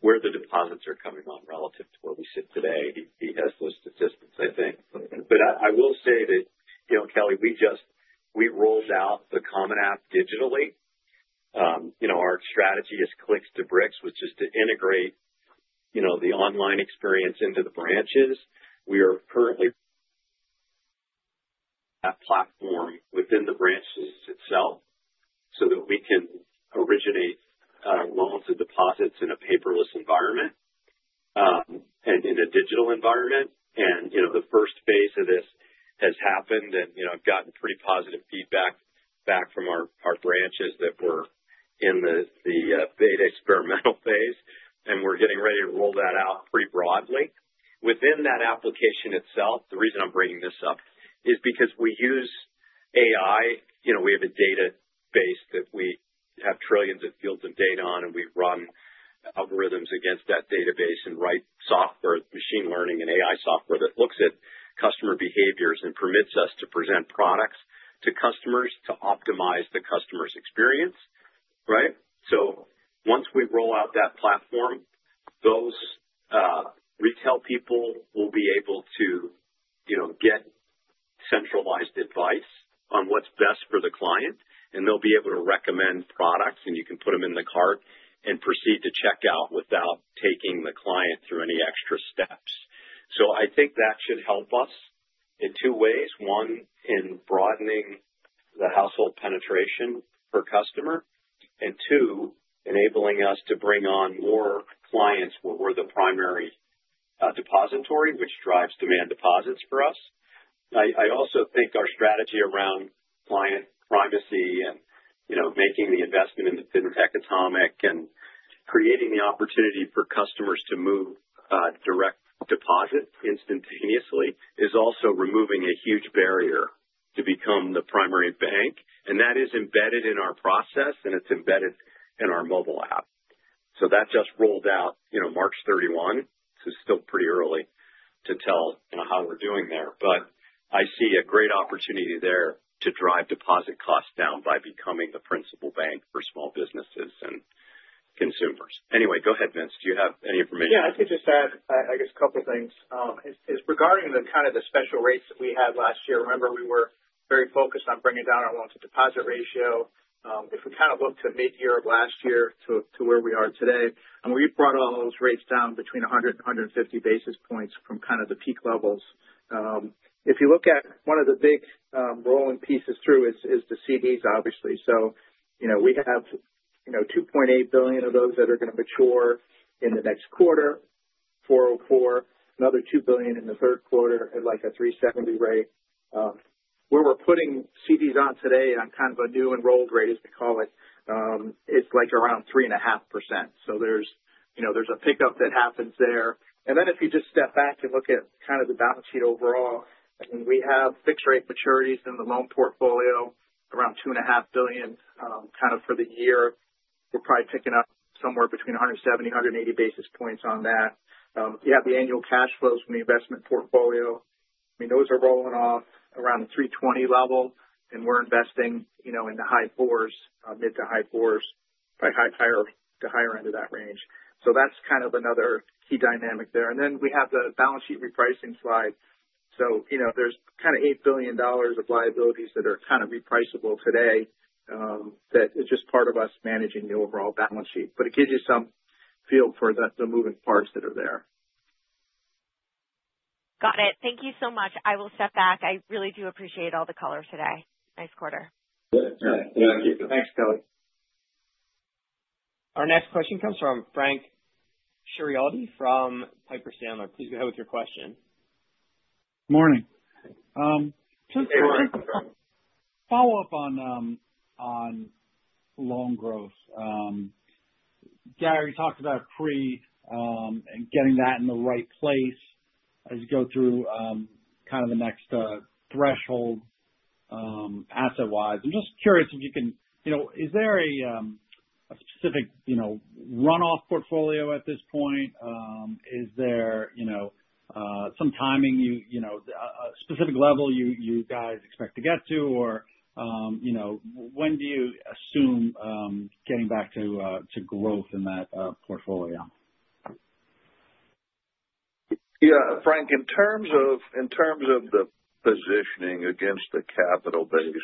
where the deposits are coming on relative to where we sit today. He has those statistics, I think. I will say that, Kelly, we rolled out the Common App digitally. Our strategy is clicks to bricks, which is to integrate the online experience into the branches. We are currently on that platform within the branches itself so that we can originate loans and deposits in a paperless environment and in a digital environment. The first phase of this has happened, and I have gotten pretty positive feedback back from our branches that we are in the beta experimental phase, and we are getting ready to roll that out pretty broadly. Within that application itself, the reason I am bringing this up is because we use AI. We have a database that we have trillions of fields of data on, and we run algorithms against that database and write software, machine learning, and AI software that looks at customer behaviors and permits us to present products to customers to optimize the customer's experience, right? Once we roll out that platform, those retail people will be able to get centralized advice on what's best for the client, and they'll be able to recommend products, and you can put them in the cart and proceed to checkout without taking the client through any extra steps. I think that should help us in two ways. One, in broadening the household penetration per customer. Two, enabling us to bring on more clients where we're the primary depository, which drives demand deposits for us. I also think our strategy around client primacy and making the investment in the FinTech Atomic and creating the opportunity for customers to move direct deposit instantaneously is also removing a huge barrier to become the primary bank. That is embedded in our process, and it's embedded in our mobile app. That just rolled out March 31. It is still pretty early to tell how we're doing there. I see a great opportunity there to drive deposit costs down by becoming the principal bank for small businesses and consumers. Anyway, go ahead, Vince. Do you have any information? Yeah. I think just add, I guess, a couple of things. It's regarding kind of the special rates that we had last year. Remember, we were very focused on bringing down our loan-to-deposit ratio. If we kind of look to mid-year of last year to where we are today, and we've brought all those rates down between 100 and 150 basis points from kind of the peak levels. If you look at one of the big rolling pieces through is the CDs, obviously. We have $2.8 billion of those that are going to mature in the next quarter, 404, another $2 billion in the third quarter at like a 3.70% rate. Where we're putting CDs on today on kind of a new enrolled rate, as we call it, it's like around 3.5%. There's a pickup that happens there. If you just step back and look at kind of the balance sheet overall, I mean, we have fixed-rate maturities in the loan portfolio, around $2.5 billion kind of for the year. We're probably picking up somewhere between 170-180 basis points on that. You have the annual cash flows from the investment portfolio. I mean, those are rolling off around the $320 million level, and we're investing in the high fours, mid- to high fours, probably high to higher end of that range. That is kind of another key dynamic there. We have the balance sheet repricing slide. There is kind of $8 billion of liabilities that are kind of repriceable today that is just part of us managing the overall balance sheet. It gives you some feel for the moving parts that are there. Got it. Thank you so much. I will step back. I really do appreciate all the color today. Nice quarter. Yeah. Thanks, Kelly. Our next question comes from Frank Schiraldi from Piper Sandler. Please go ahead with your question. Good morning. Good morning. Just a quick follow-up on loan growth. Gary talked about pre and getting that in the right place as you go through kind of the next threshold asset-wise. I'm just curious if you can, is there a specific runoff portfolio at this point? Is there some timing, a specific level you guys expect to get to? Or when do you assume getting back to growth in that portfolio? Yeah. Frank, in terms of the positioning against the capital base,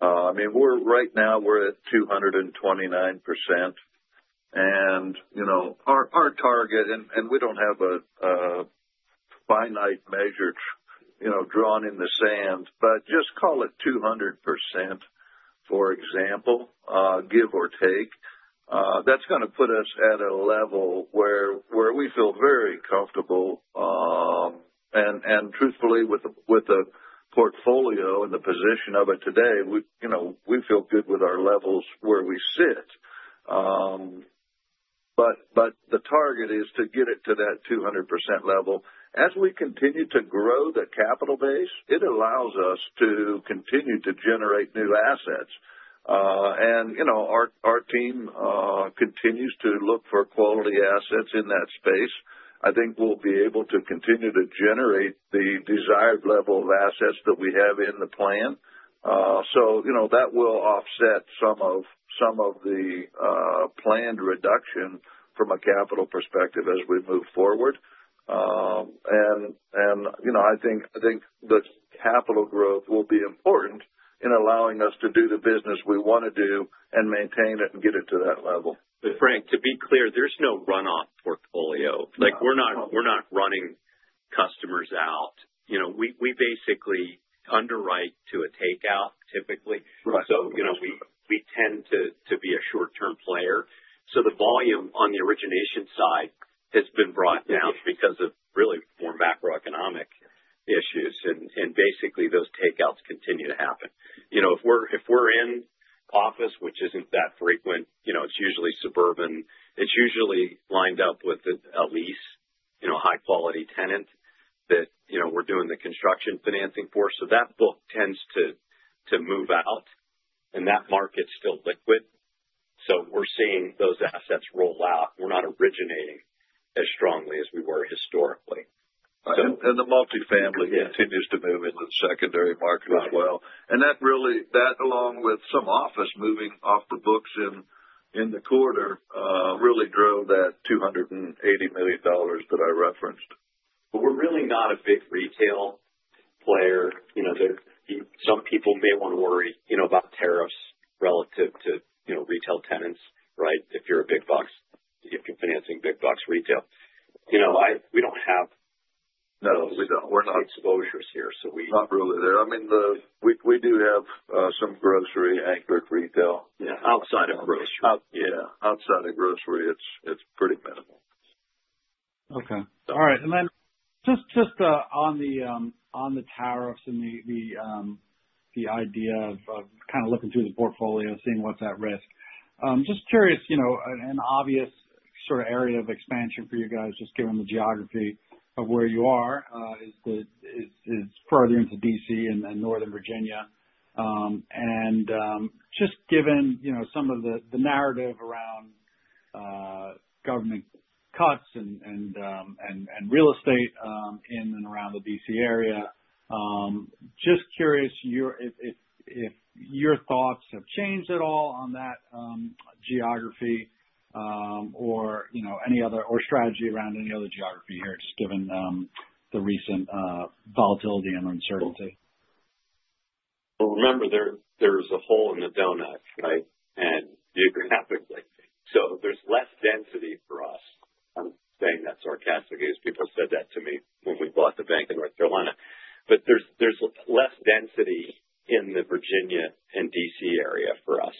I mean, right now, we're at 229%. Our target—and we don't have a finite measure drawn in the sand—but just call it 200%, for example, give or take. That's going to put us at a level where we feel very comfortable. And truthfully, with the portfolio and the position of it today, we feel good with our levels where we sit. The target is to get it to that 200% level. As we continue to grow the capital base, it allows us to continue to generate new assets. Our team continues to look for quality assets in that space. I think we'll be able to continue to generate the desired level of assets that we have in the plan. That will offset some of the planned reduction from a capital perspective as we move forward. I think the capital growth will be important in allowing us to do the business we want to do and maintain it and get it to that level. Frank, to be clear, there's no runoff portfolio. We're not running customers out. We basically underwrite to a takeout, typically. We tend to be a short-term player. The volume on the origination side has been brought down because of really more macroeconomic issues. Basically, those takeouts continue to happen. If we're in office, which isn't that frequent, it's usually suburban. It's usually lined up with a lease, high-quality tenant that we're doing the construction financing for. That book tends to move out, and that market's still liquid. We're seeing those assets roll out. We're not originating as strongly as we were historically. The multifamily continues to move into the secondary market as well. That, along with some office moving off the books in the quarter, really drove that $280 million that I referenced. We're really not a big retail player. Some people may want to worry about tariffs relative to retail tenants, right, if you're a big box—if you're financing big box retail. We don't have. No, we don't. We're not. Exposures here, so we. Not really. I mean, we do have some grocery-anchored retail. Outside of grocery. Yeah. Outside of grocery, it's pretty minimal. Okay. All right. Just on the tariffs and the idea of kind of looking through the portfolio, seeing what's at risk. Just curious, an obvious sort of area of expansion for you guys, just given the geography of where you are, is further into DC and Northern Virginia. Just given some of the narrative around government cuts and real estate in and around the DC area, just curious if your thoughts have changed at all on that geography or strategy around any other geography here, just given the recent volatility and uncertainty. Remember, there's a hole in the donut, right, and geographically. There's less density for us. I'm saying that sarcastically as people said that to me when we bought the bank in North Carolina. There's less density in the Virginia and DC area for us.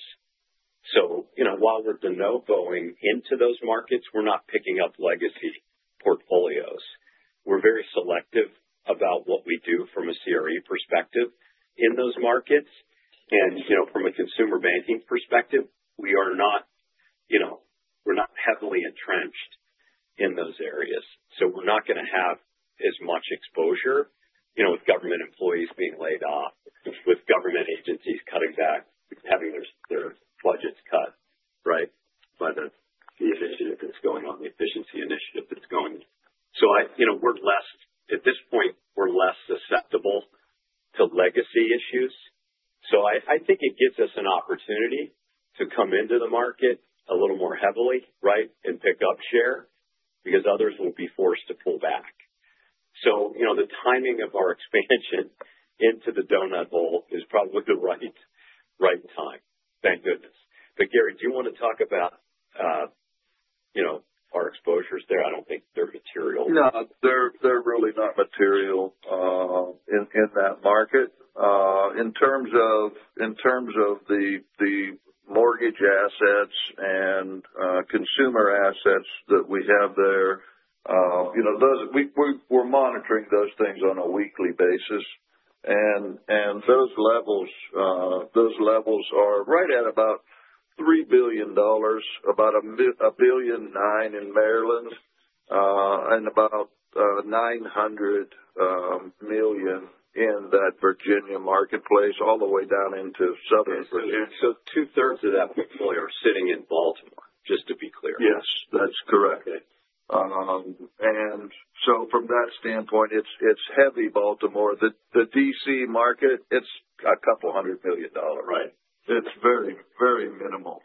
While we're de novoing into those markets, we're not picking up legacy portfolios. We're very selective about what we do from a CRE perspective in those markets. From a consumer banking perspective, we are not—we're not heavily entrenched in those areas. We're not going to have as much exposure with government employees being laid off, with government agencies cutting back, having their budgets cut, right, by the efficiency initiative that's going. We're less—at this point, we're less susceptible to legacy issues. I think it gives us an opportunity to come into the market a little more heavily, right, and pick up share because others will be forced to pull back. The timing of our expansion into the donut hole is probably the right time. Thank goodness. Gary, do you want to talk about our exposures there? I don't think they're material. No, they're really not material in that market. In terms of the mortgage assets and consumer assets that we have there, we're monitoring those things on a weekly basis. Those levels are right at about $3 billion, about $1.9 billion in Maryland, and about $900 million in that Virginia marketplace all the way down into Southern Virginia. Two-thirds of that portfolio are sitting in Baltimore, just to be clear. Yes, that's correct. From that standpoint, it's heavy Baltimore. The DC market, it's a couple hundred million dollars. It's very, very minimal.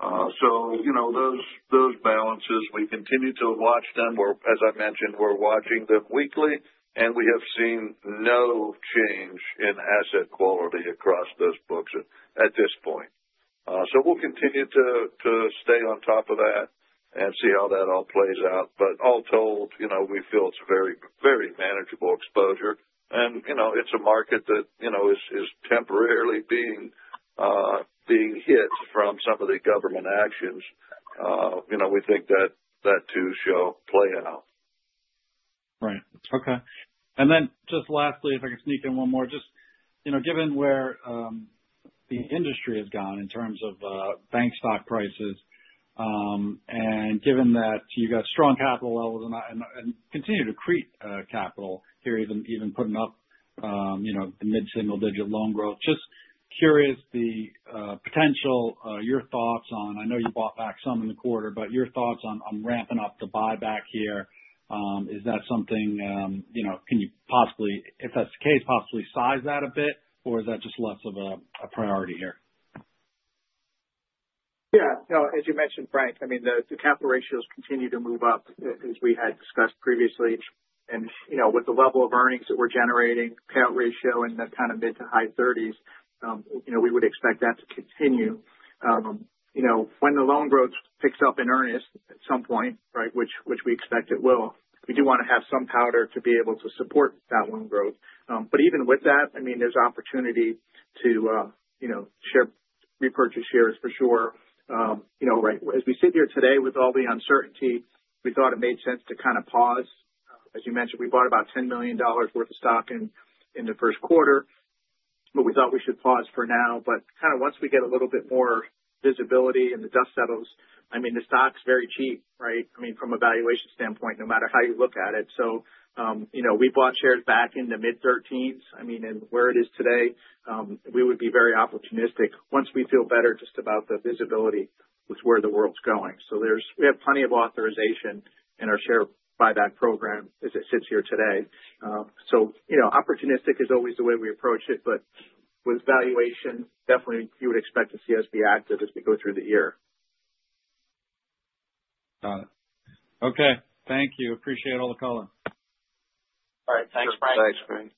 Those balances, we continue to watch them. As I mentioned, we're watching them weekly, and we have seen no change in asset quality across those books at this point. We will continue to stay on top of that and see how that all plays out. All told, we feel it's a very, very manageable exposure. It's a market that is temporarily being hit from some of the government actions. We think that that too shall play out. Right. Okay. Lastly, if I could sneak in one more. Just given where the industry has gone in terms of bank stock prices, and given that you have got strong capital levels and continue to create capital here, even putting up the mid-single-digit loan growth, just curious the potential, your thoughts on—I know you bought back some in the quarter, but your thoughts on ramping up the buyback here, is that something, can you possibly, if that is the case, possibly size that a bit, or is that just less of a priority here? Yeah. As you mentioned, Frank, I mean, the capital ratios continue to move up as we had discussed previously. And with the level of earnings that we're generating, payout ratio in the kind of mid to high 30s, we would expect that to continue. When the loan growth picks up in earnest at some point, right, which we expect it will, we do want to have some powder to be able to support that loan growth. Even with that, I mean, there's opportunity to repurchase shares for sure. As we sit here today with all the uncertainty, we thought it made sense to kind of pause. As you mentioned, we bought about $10 million worth of stock in the first quarter, but we thought we should pause for now. Once we get a little bit more visibility and the dust settles, I mean, the stock's very cheap, right, I mean, from a valuation standpoint, no matter how you look at it. We bought shares back in the mid-13s, I mean, and where it is today, we would be very opportunistic once we feel better just about the visibility with where the world's going. We have plenty of authorization in our share buyback program as it sits here today. Opportunistic is always the way we approach it. With valuation, definitely you would expect to see us be active as we go through the year. Got it. Okay. Thank you. Appreciate all the color. All right. Thanks, Frank. Thanks, Frank.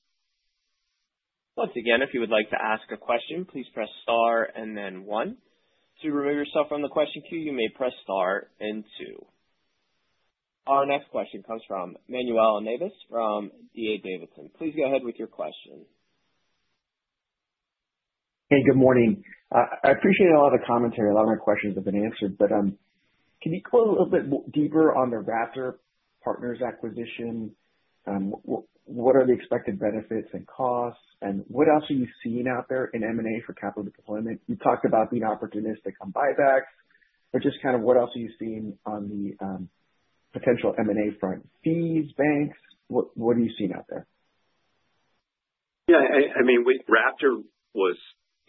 Once again, if you would like to ask a question, please press star and then one. To remove yourself from the question queue, you may press star and two. Our next question comes from Manuel Navas from D.A. Davidson. Please go ahead with your question. Hey, good morning. I appreciate a lot of the commentary. A lot of my questions have been answered. Can you go a little bit deeper on the Raptor Partners acquisition? What are the expected benefits and costs? What else are you seeing out there in M&A for capital deployment? You talked about the opportunistic buybacks, just kind of what else are you seeing on the potential M&A front? Fees, banks? What are you seeing out there? Yeah. I mean, Raptor was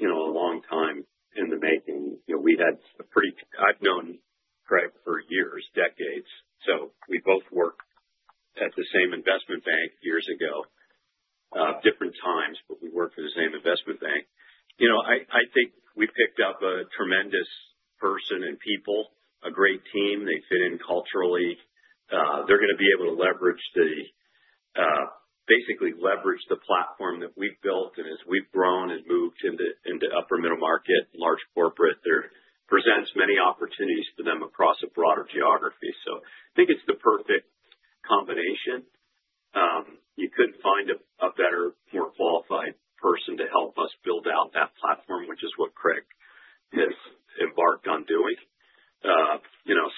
a long time in the making. We had a pretty—I’ve known Craig for years, decades. We both worked at the same investment bank years ago, different times, but we worked for the same investment bank. I think we picked up a tremendous person and people, a great team. They fit in culturally. They’re going to be able to leverage, basically leverage the platform that we’ve built. As we’ve grown and moved into upper middle market, large corporate, there presents many opportunities for them across a broader geography. I think it’s the perfect combination. You couldn’t find a better, more qualified person to help us build out that platform, which is what Craig has embarked on doing.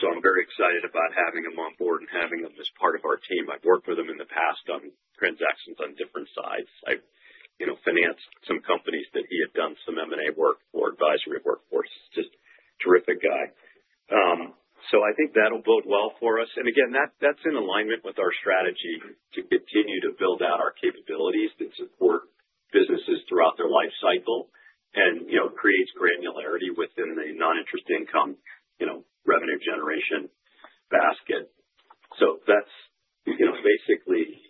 I’m very excited about having him on board and having him as part of our team. I've worked with him in the past on transactions on different sides. I've financed some companies that he had done some M&A work for, advisory work for. He's just a terrific guy. I think that'll bode well for us. Again, that's in alignment with our strategy to continue to build out our capabilities that support businesses throughout their life cycle and creates granularity within the non-interest income revenue generation basket. That's basically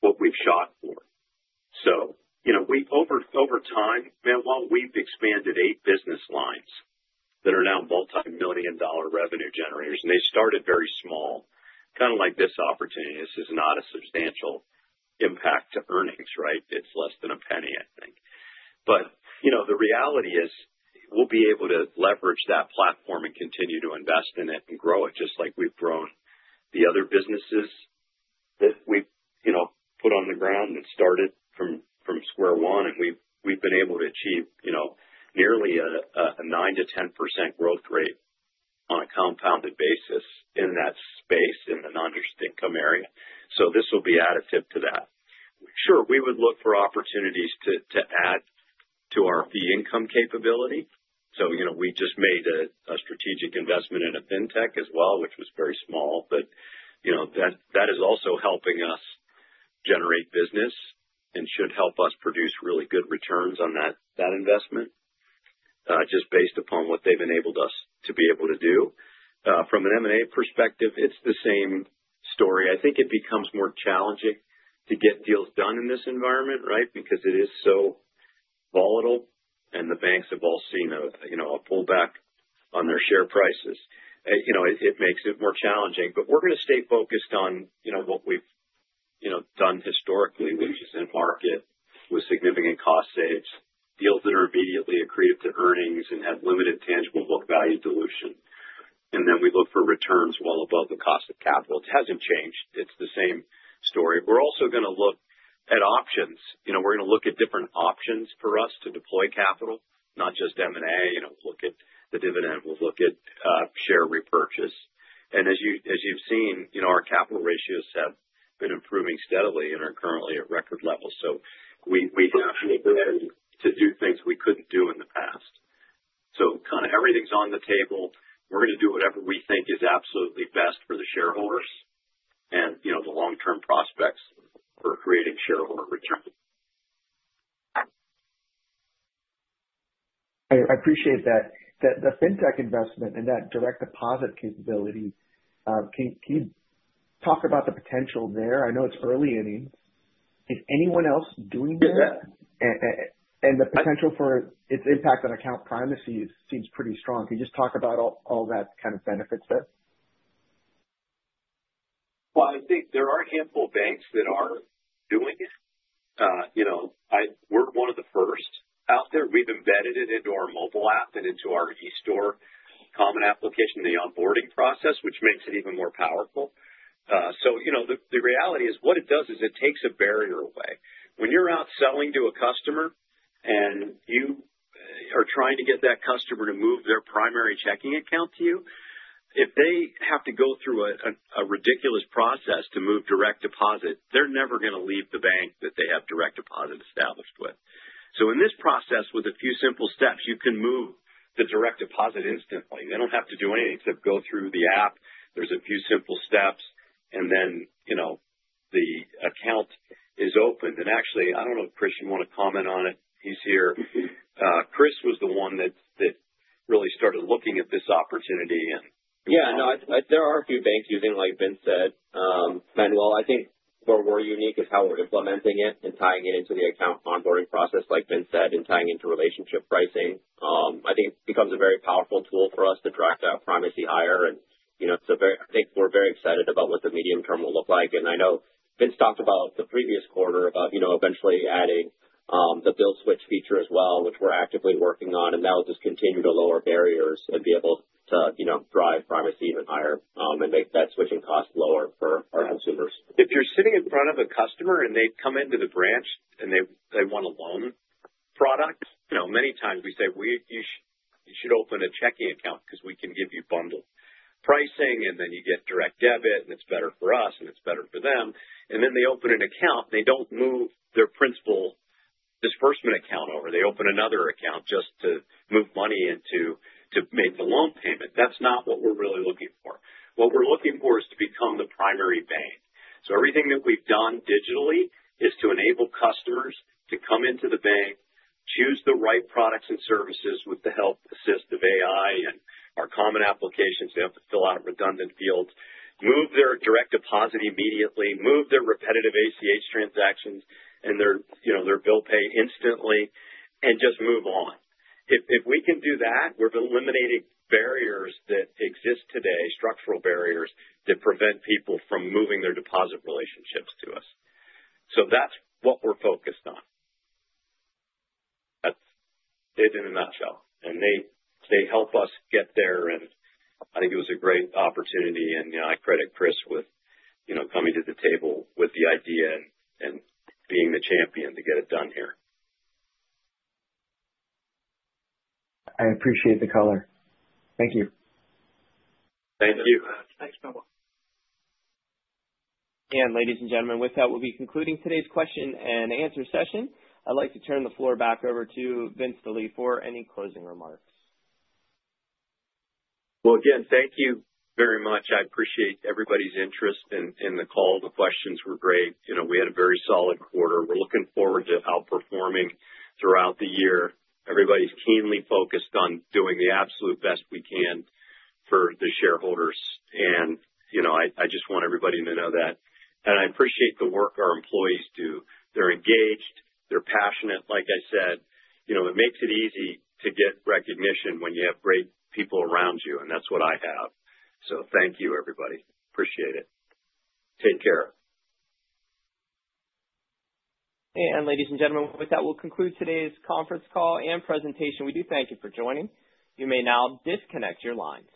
what we've shot for. Over time, Manuel, we've expanded eight business lines that are now multi-million dollar revenue generators. They started very small, kind of like this opportunity. This is not a substantial impact to earnings, right? It's less than a penny, I think. The reality is we'll be able to leverage that platform and continue to invest in it and grow it just like we've grown the other businesses that we've put on the ground and started from square one. We've been able to achieve nearly a 9-10% growth rate on a compounded basis in that space in the non-interest income area. This will be additive to that. Sure, we would look for opportunities to add to our fee income capability. We just made a strategic investment in a fintech as well, which was very small. That is also helping us generate business and should help us produce really good returns on that investment just based upon what they've enabled us to be able to do. From an M&A perspective, it's the same story. I think it becomes more challenging to get deals done in this environment, right, because it is so volatile. The banks have all seen a pullback on their share prices. It makes it more challenging. We are going to stay focused on what we have done historically, which is in market with significant cost saves, deals that are immediately accretive to earnings and have limited tangible book value dilution. We look for returns well above the cost of capital. It has not changed. It is the same story. We are also going to look at options. We are going to look at different options for us to deploy capital, not just M&A. We will look at the dividend. We will look at share repurchase. As you have seen, our capital ratios have been improving steadily and are currently at record levels. We have the ability to do things we could not do in the past. Kind of everything is on the table. We are going to do whatever we think is absolutely best for the shareholders and the long-term prospects for creating shareholder return. I appreciate that. The fintech investment and that direct deposit capability, can you talk about the potential there? I know it's early innings. Is anyone else doing that? The potential for its impact on account primacy seems pretty strong. Can you just talk about all that kind of benefits there? I think there are a handful of banks that are doing it. We're one of the first out there. We've embedded it into our mobile app and into our eStore Common Application, the onboarding process, which makes it even more powerful. The reality is what it does is it takes a barrier away. When you're out selling to a customer and you are trying to get that customer to move their primary checking account to you, if they have to go through a ridiculous process to move direct deposit, they're never going to leave the bank that they have direct deposit established with. In this process, with a few simple steps, you can move the direct deposit instantly. They don't have to do anything except go through the app. There's a few simple steps, and then the account is opened. Actually, I do not know if Chris, you want to comment on it. He is here. Chris was the one that really started looking at this opportunity. Yeah. No, there are a few banks using, like Vince said, Manuel. I think where we're unique is how we're implementing it and tying it into the account onboarding process, like Vince said, and tying into relationship pricing. I think it becomes a very powerful tool for us to drive that primacy higher. I think we're very excited about what the medium term will look like. I know Vince's talked about the previous quarter about eventually adding the bill switch feature as well, which we're actively working on. That will just continue to lower barriers and be able to drive primacy even higher and make that switching cost lower for our consumers. If you're sitting in front of a customer and they come into the branch and they want a loan product, many times we say, "We should open a checking account because we can give you bundled pricing, and then you get direct debit, and it's better for us, and it's better for them." They open an account, they don't move their principal disbursement account over. They open another account just to move money in to make the loan payment. That's not what we're really looking for. What we're looking for is to become the primary bank. Everything that we've done digitally is to enable customers to come into the bank, choose the right products and services with the help, assist of AI and our Common Application. They have to fill out redundant fields, move their direct deposit immediately, move their repetitive ACH transactions and their bill pay instantly, and just move on. If we can do that, we're eliminating barriers that exist today, structural barriers that prevent people from moving their deposit relationships to us. That is what we're focused on. That is it in a nutshell. They help us get there. I think it was a great opportunity. I credit Chris with coming to the table with the idea and being the champion to get it done here. I appreciate the color. Thank you. Thank you. Thanks, Manuel. Ladies and gentlemen, with that, we'll be concluding today's question and answer session. I'd like to turn the floor back over to Vince Delie for any closing remarks. Thank you very much. I appreciate everybody's interest in the call. The questions were great. We had a very solid quarter. We're looking forward to outperforming throughout the year. Everybody's keenly focused on doing the absolute best we can for the shareholders. I just want everybody to know that. I appreciate the work our employees do. They're engaged. They're passionate. Like I said, it makes it easy to get recognition when you have great people around you. That's what I have. Thank you, everybody. Appreciate it. Take care. Ladies and gentlemen, with that, we'll conclude today's conference call and presentation. We do thank you for joining. You may now disconnect your lines.